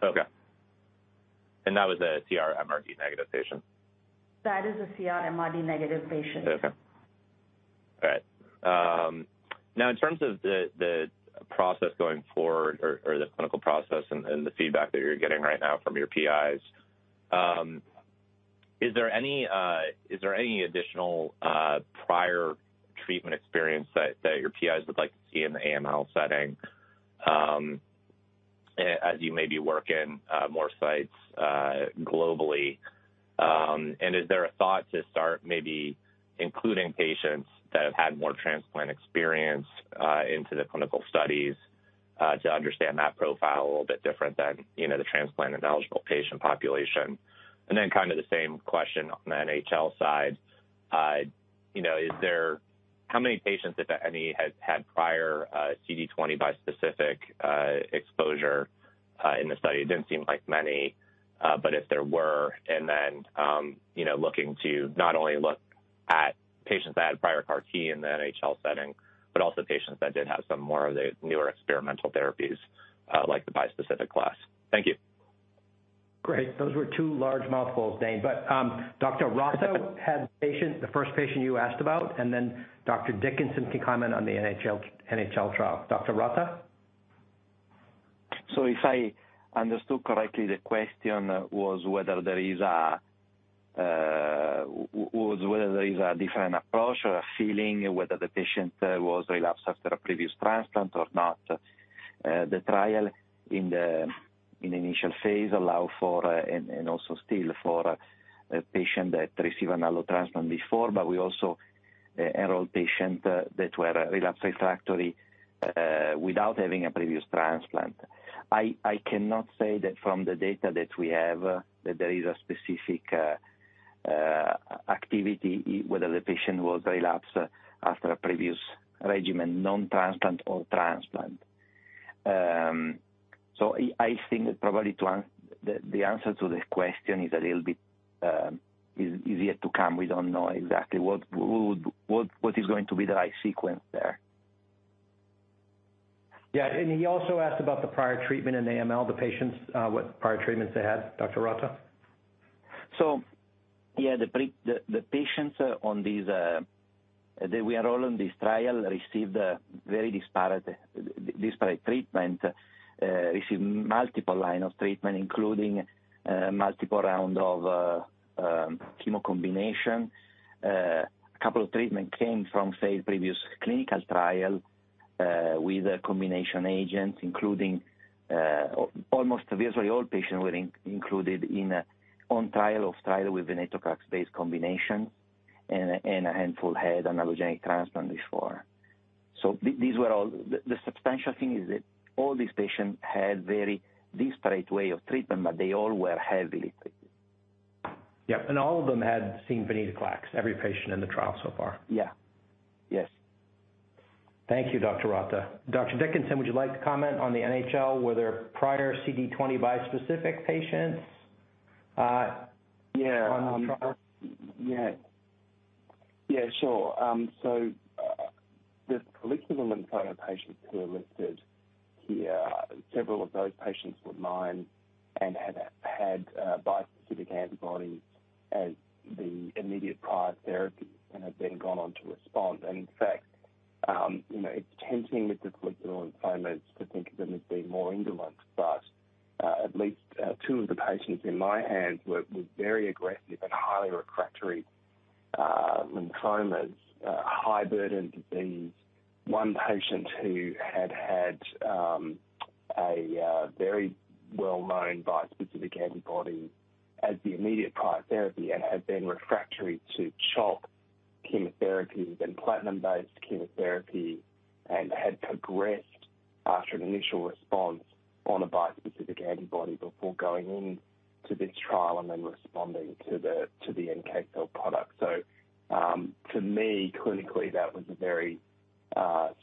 Okay. That was a CRMRD negative patient? That is a CRMRD negative patient. Okay. All right. Now in terms of the process going forward or the clinical process and the feedback that you're getting right now from your PIs, is there any additional prior treatment experience that your PIs would like to see in the AML setting, as you may be working more sites globally? Is there a thought to start maybe including patients that have had more transplant experience into the clinical studies to understand that profile a little bit different than, you know, the transplant-ineligible patient population? Kind of the same question on the NHL side. You know, how many patients, if any, has had prior CD20 bispecific exposure in the study? It didn't seem like many, but if there were. You know, looking to not only look at patients that had prior CAR T in the NHL setting, but also patients that did have some more of the newer experimental therapies, like the bispecific class. Thank you. Great. Those were two large mouthfuls, Dane. Dr. Rotta had the patient, the first patient you asked about, and then Dr. Dickinson can comment on the NHL trial. Dr. Rotta. If I understood correctly, the question was whether there is a different approach or a feeling whether the patient was relapsed after a previous transplant or not. The trial in the initial phase allow for, and also still for a patient that receive an allo transplant before, but we also enroll patient that were relapse refractory without having a previous transplant. I cannot say that from the data that we have, that there is a specific activity whether the patient was relapsed after a previous regimen, non-transplant or transplant. I think probably the answer to the question is a little bit is yet to come. We don't know exactly what is going to be the right sequence there. Yeah. He also asked about the prior treatment in AML, the patients, what prior treatments they had, Dr. Rotta. Yeah, the patients on this that we enroll on this trial received a very disparate treatment. Received multiple line of treatment, including multiple round of chemo combination. A couple of treatment came from failed previous clinical trial with a combination agent including almost virtually all patients were included in a trial with venetoclax-based combination, and a handful had an allogeneic transplant before. These were all. The substantial thing is that all these patients had very disparate way of treatment, but they all were heavily treated. Yep. All of them had seen venetoclax, every patient in the trial so far? Yeah. Yes. Thank you, Dr. Rotta. Dr. Dickinson, would you like to comment on the NHL? Were there prior CD20 bispecific patients on the trial? The follicular lymphoma patients who are listed here, several of those patients were mine and had bispecific antibodies as the immediate prior therapy and have then gone on to respond. In fact, you know, it's tempting with the follicular lymphomas to think of them as being more indolent, but at least two of the patients in my hands were very aggressive and highly refractory lymphomas, high burden disease. One patient who had a very well-known bispecific antibody as the immediate prior therapy and had been refractory to CHOP chemotherapy, then platinum-based chemotherapy, and had progressed after an initial response on a bispecific antibody before going in to this trial and then responding to the NK cell product. To me, clinically, that was a very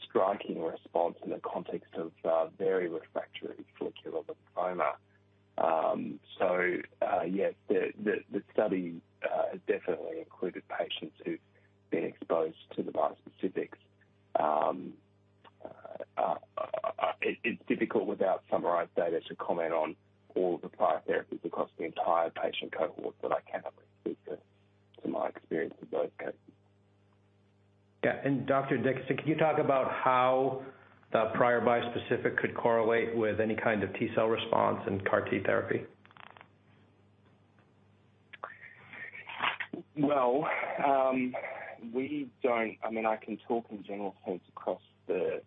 striking response in the context of very refractory follicular lymphoma. Yes, the study definitely included patients who've been exposed to the bispecifics. It’s difficult without summarized data to comment on all of the prior therapies across the entire patient cohort, but I can only speak to my experience with those cases. Yeah. Dr. Dickinson, can you talk about how the prior bispecific could correlate with any kind of T-cell response in CAR T therapy? Well, I mean, I can talk in general terms across the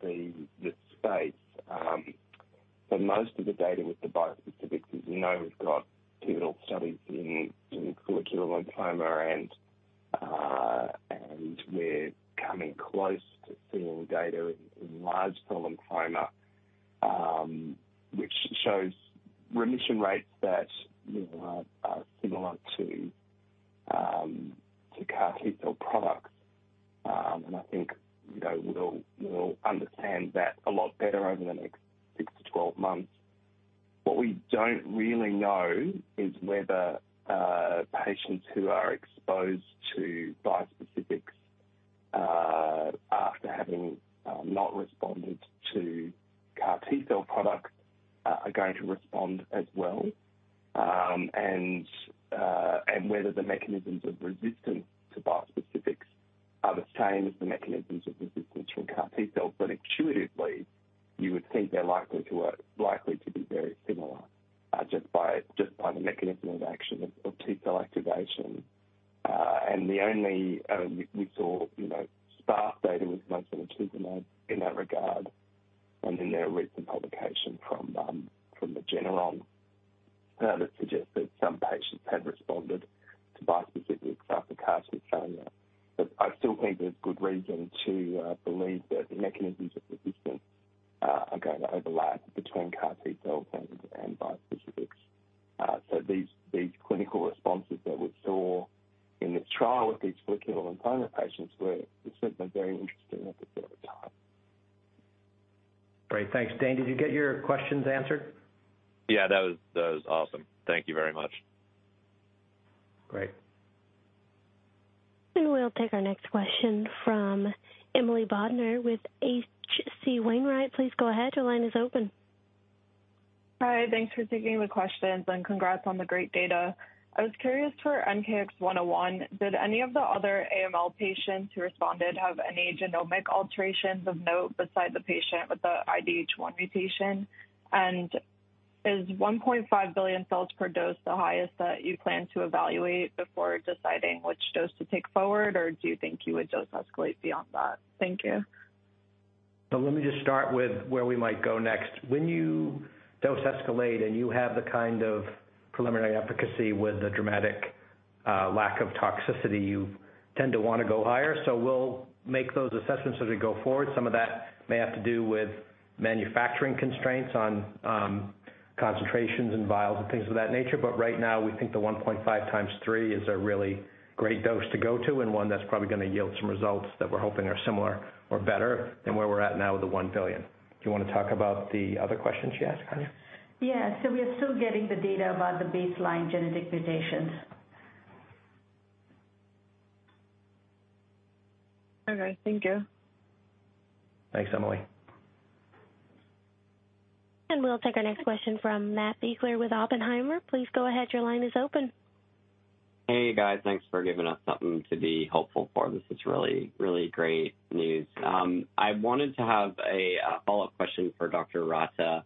space. But most of the data with the bispecifics, as you know, we've got pivotal studies in follicular lymphoma and we're coming close to seeing data in large cell lymphoma, which shows remission rates that, you know, are similar to CAR T-cell products. I think, you know, we'll understand that a lot better over the next 6 to 12 months. What we don't really know is whether patients who are exposed to bispecifics after having not responded to CAR T-cell products are going to respond as well. Whether the mechanisms of resistance to bispecifics are the same as the mechanisms of resistance from CAR T-cells. Intuitively, you would think they're likely to be very similar just by the mechanism of action of T-cell activation. I was curious for NKX101, did any of the other AML patients who responded have any genomic alterations of note beside the patient with the IDH1 mutation? And is 1.5 billion cells per dose the highest that you plan to evaluate before deciding which dose to take forward, or do you think you would dose escalate beyond that? Thank you. Let me just start with where we might go next. When you dose escalate and you have the kind of preliminary efficacy with the dramatic lack of toxicity, you tend to wanna go higher. We'll make those assessments as we go forward. Some of that may have to do with manufacturing constraints on concentrations and vials and things of that nature. Right now, we think the 1.5 x 3 is a really great dose to go to and one that's probably gonna yield some results that we're hoping are similar or better than where we're at now with the 1 billion. Do you wanna talk about the other questions she asked, Kanya? Yeah. We are still getting the data about the baseline genetic mutations. Okay, thank you. Thanks, Emily. We'll take our next question from Matt Biegler with Oppenheimer. Please go ahead. Your line is open. Hey, guys. Thanks for giving us something to be hopeful for. This is really, really great news. I wanted to have a follow-up question for Dr. Rotta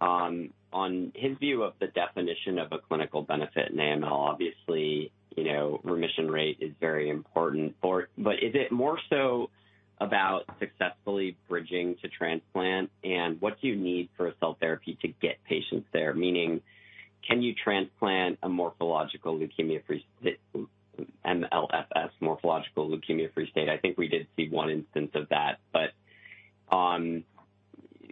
on his view of the definition of a clinical benefit in AML. Obviously, you know, remission rate is very important for it, but is it more so about successfully bridging to transplant? And what do you need for a cell therapy to get patients there? Meaning, can you transplant a morphological leukemia-free MLFS, morphological leukemia-free state? I think we did see one instance of that. But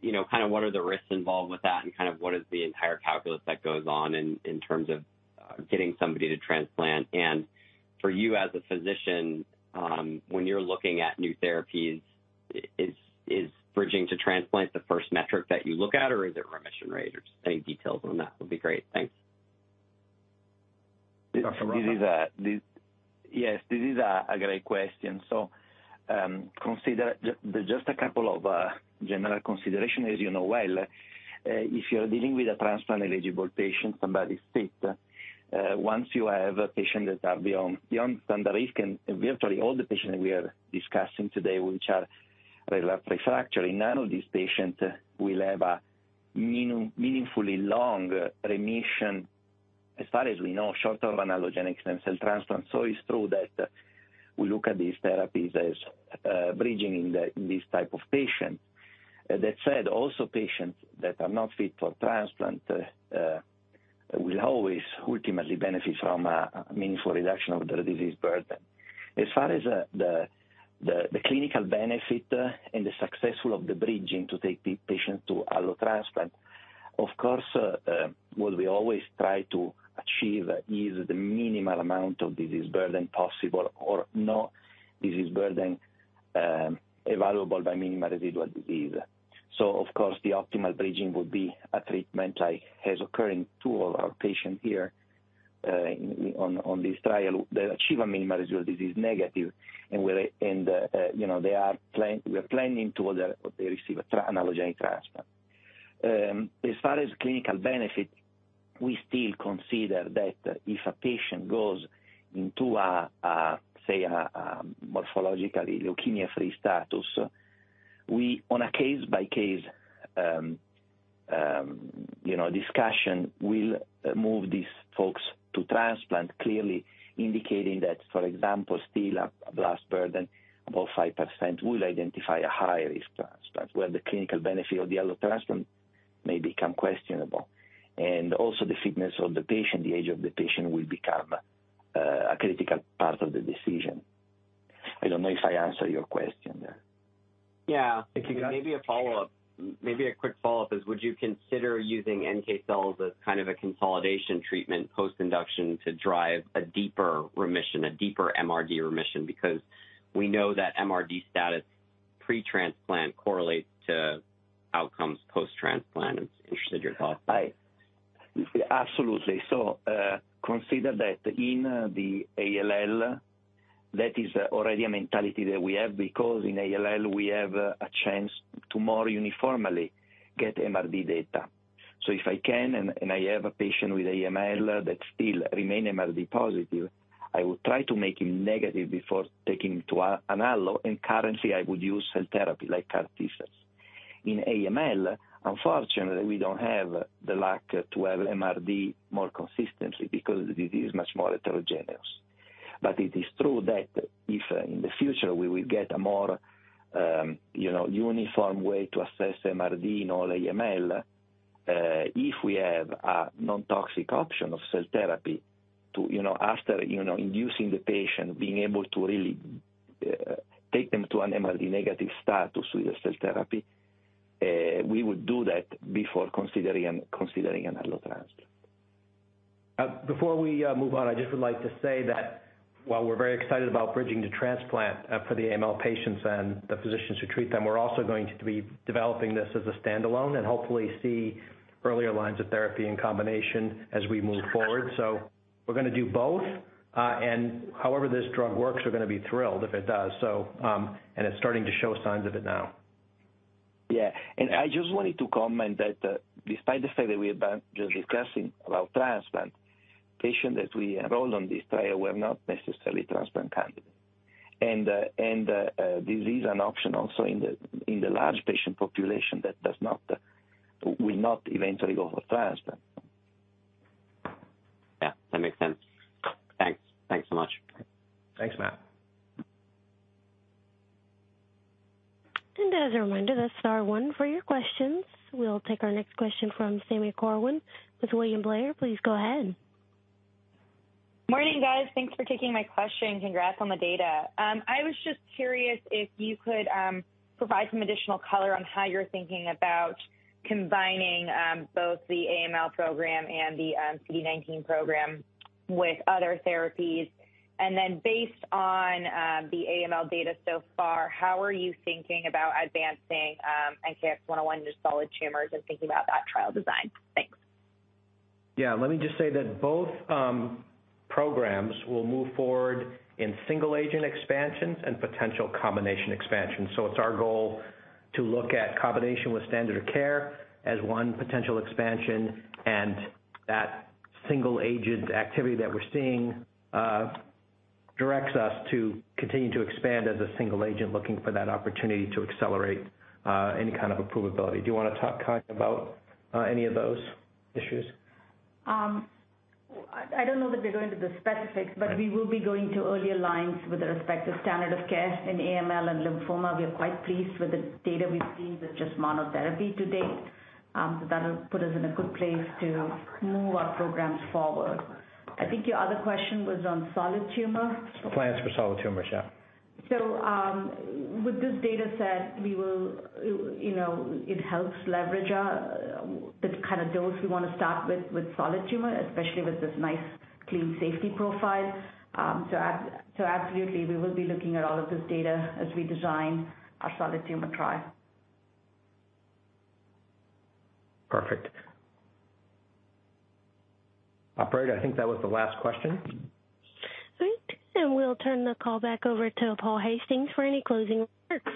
you know, kinda what are the risks involved with that and kind of what is the entire calculus that goes on in terms of getting somebody to transplant? For you as a physician, when you're looking at new therapies, is bridging to transplant the first metric that you look at, or is it remission rate? Or just any details on that would be great. Thanks. Dr. Rotta. Yes, this is a great question. Consider just a couple of general consideration. As you know well, if you're dealing with a transplant-eligible patient, somebody fit, once you have a patient that are beyond standard risk, and virtually all the patients we are discussing today, which are relapsed refractory, none of these patients will have a meaningfully long remission, as far as we know, short of an allogeneic stem cell transplant. It's true that we look at these therapies as bridging in this type of patient. That said, also patients that are not fit for transplant will always ultimately benefit from a meaningful reduction of their disease burden. As far as the clinical benefit and the success of the bridging to take patient to allo transplant, of course, what we always try to achieve is the minimal amount of disease burden possible or no disease burden, evaluable by minimal residual disease. Of course, the optimal bridging would be a treatment like has occurred in two of our patients here, on this trial that achieve a minimal residual disease negative, and where they, you know, we are planning toward they receive an allogeneic transplant. As far as clinical benefit, we still consider that if a patient goes into a morphologically leukemia-free status, we, on a case-by-case, you know, discussion will move these folks to transplant, clearly indicating that, for example, still a blast burden above 5% will identify a high-risk transplant, where the clinical benefit of the allo transplant may become questionable. Also the fitness of the patient, the age of the patient will become a critical part of the decision. I don't know if I answered your question there. Yeah. Thank you. Maybe a follow-up. Maybe a quick follow-up is, would you consider using NK cells as kind of a consolidation treatment post-induction to drive a deeper remission, a deeper MRD remission? Because we know that MRD status pre-transplant correlates to outcomes post-transplant. I'm just interested in your thoughts there. Absolutely. Consider that in the ALL, that is already a mentality that we have because in ALL we have a chance to more uniformly get MRD data. If I can and I have a patient with AML that still remain MRD positive, I will try to make him negative before taking him to an allo, and currently I would use cell therapy like CAR T-cells. In AML, unfortunately, we don't have the luck to have MRD more consistently because the disease is much more heterogeneous. It is true that if in the future we will get a more, you know, uniform way to assess MRD in all AML, if we have a non-toxic option of cell therapy to, you know, after, you know, inducing the patient, being able to really, take them to an MRD negative status with the cell therapy, we would do that before considering an allograft. Before we move on, I just would like to say that while we're very excited about bridging the transplant for the AML patients and the physicians who treat them, we're also going to be developing this as a standalone and hopefully see earlier lines of therapy in combination as we move forward. We're gonna do both, and however this drug works, we're gonna be thrilled if it does. It's starting to show signs of it now. Yeah. I just wanted to comment that despite the fact that we have been just discussing about transplant, patients that we enrolled on this trial were not necessarily transplant candidates. This is an option also in the large patient population that will not eventually go for transplant. Yeah, that makes sense. Thanks. Thanks so much. Thanks, Matt. As a reminder, that's star one for your questions. We'll take our next question from Sami Corwin with William Blair. Please go ahead. Morning, guys. Thanks for taking my question. Congrats on the data. I was just curious if you could provide some additional color on how you're thinking about combining both the AML program and the CD19 program with other therapies. Based on the AML data so far, how are you thinking about advancing NKX101 to solid tumors and thinking about that trial design? Thanks. Yeah, let me just say that both programs will move forward in single agent expansions and potential combination expansions. It's our goal to look at combination with standard of care as one potential expansion, and that single agent activity that we're seeing directs us to continue to expand as a single agent looking for that opportunity to accelerate any kind of approvability. Do you wanna talk, Ka, about any of those issues? I don't know that we go into the specifics. Okay. We will be going to earlier lines with respect to standard of care in AML and lymphoma. We are quite pleased with the data we've seen with just monotherapy to date. That'll put us in a good place to move our programs forward. I think your other question was on solid tumor. Plans for solid tumors, yeah. with this data set, we will, you know, it helps leverage the kind of dose we wanna start with solid tumor, especially with this nice clean safety profile. Absolutely, we will be looking at all of this data as we design our solid tumor trial. Perfect. Operator, I think that was the last question. Great. Then we'll turn the call back over to Paul Hastings for any closing remarks.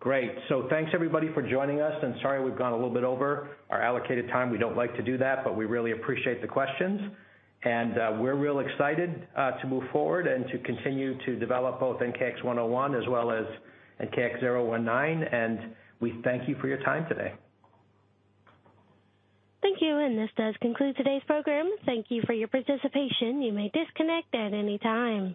Great. Thanks everybody for joining us, and sorry we've gone a little bit over our allocated time. We don't like to do that, but we really appreciate the questions. We're real excited to move forward and to continue to develop both NKX101 as well as NKX019, and we thank you for your time today. Thank you, and this does conclude today's program. Thank you for your participation. You may disconnect at any time.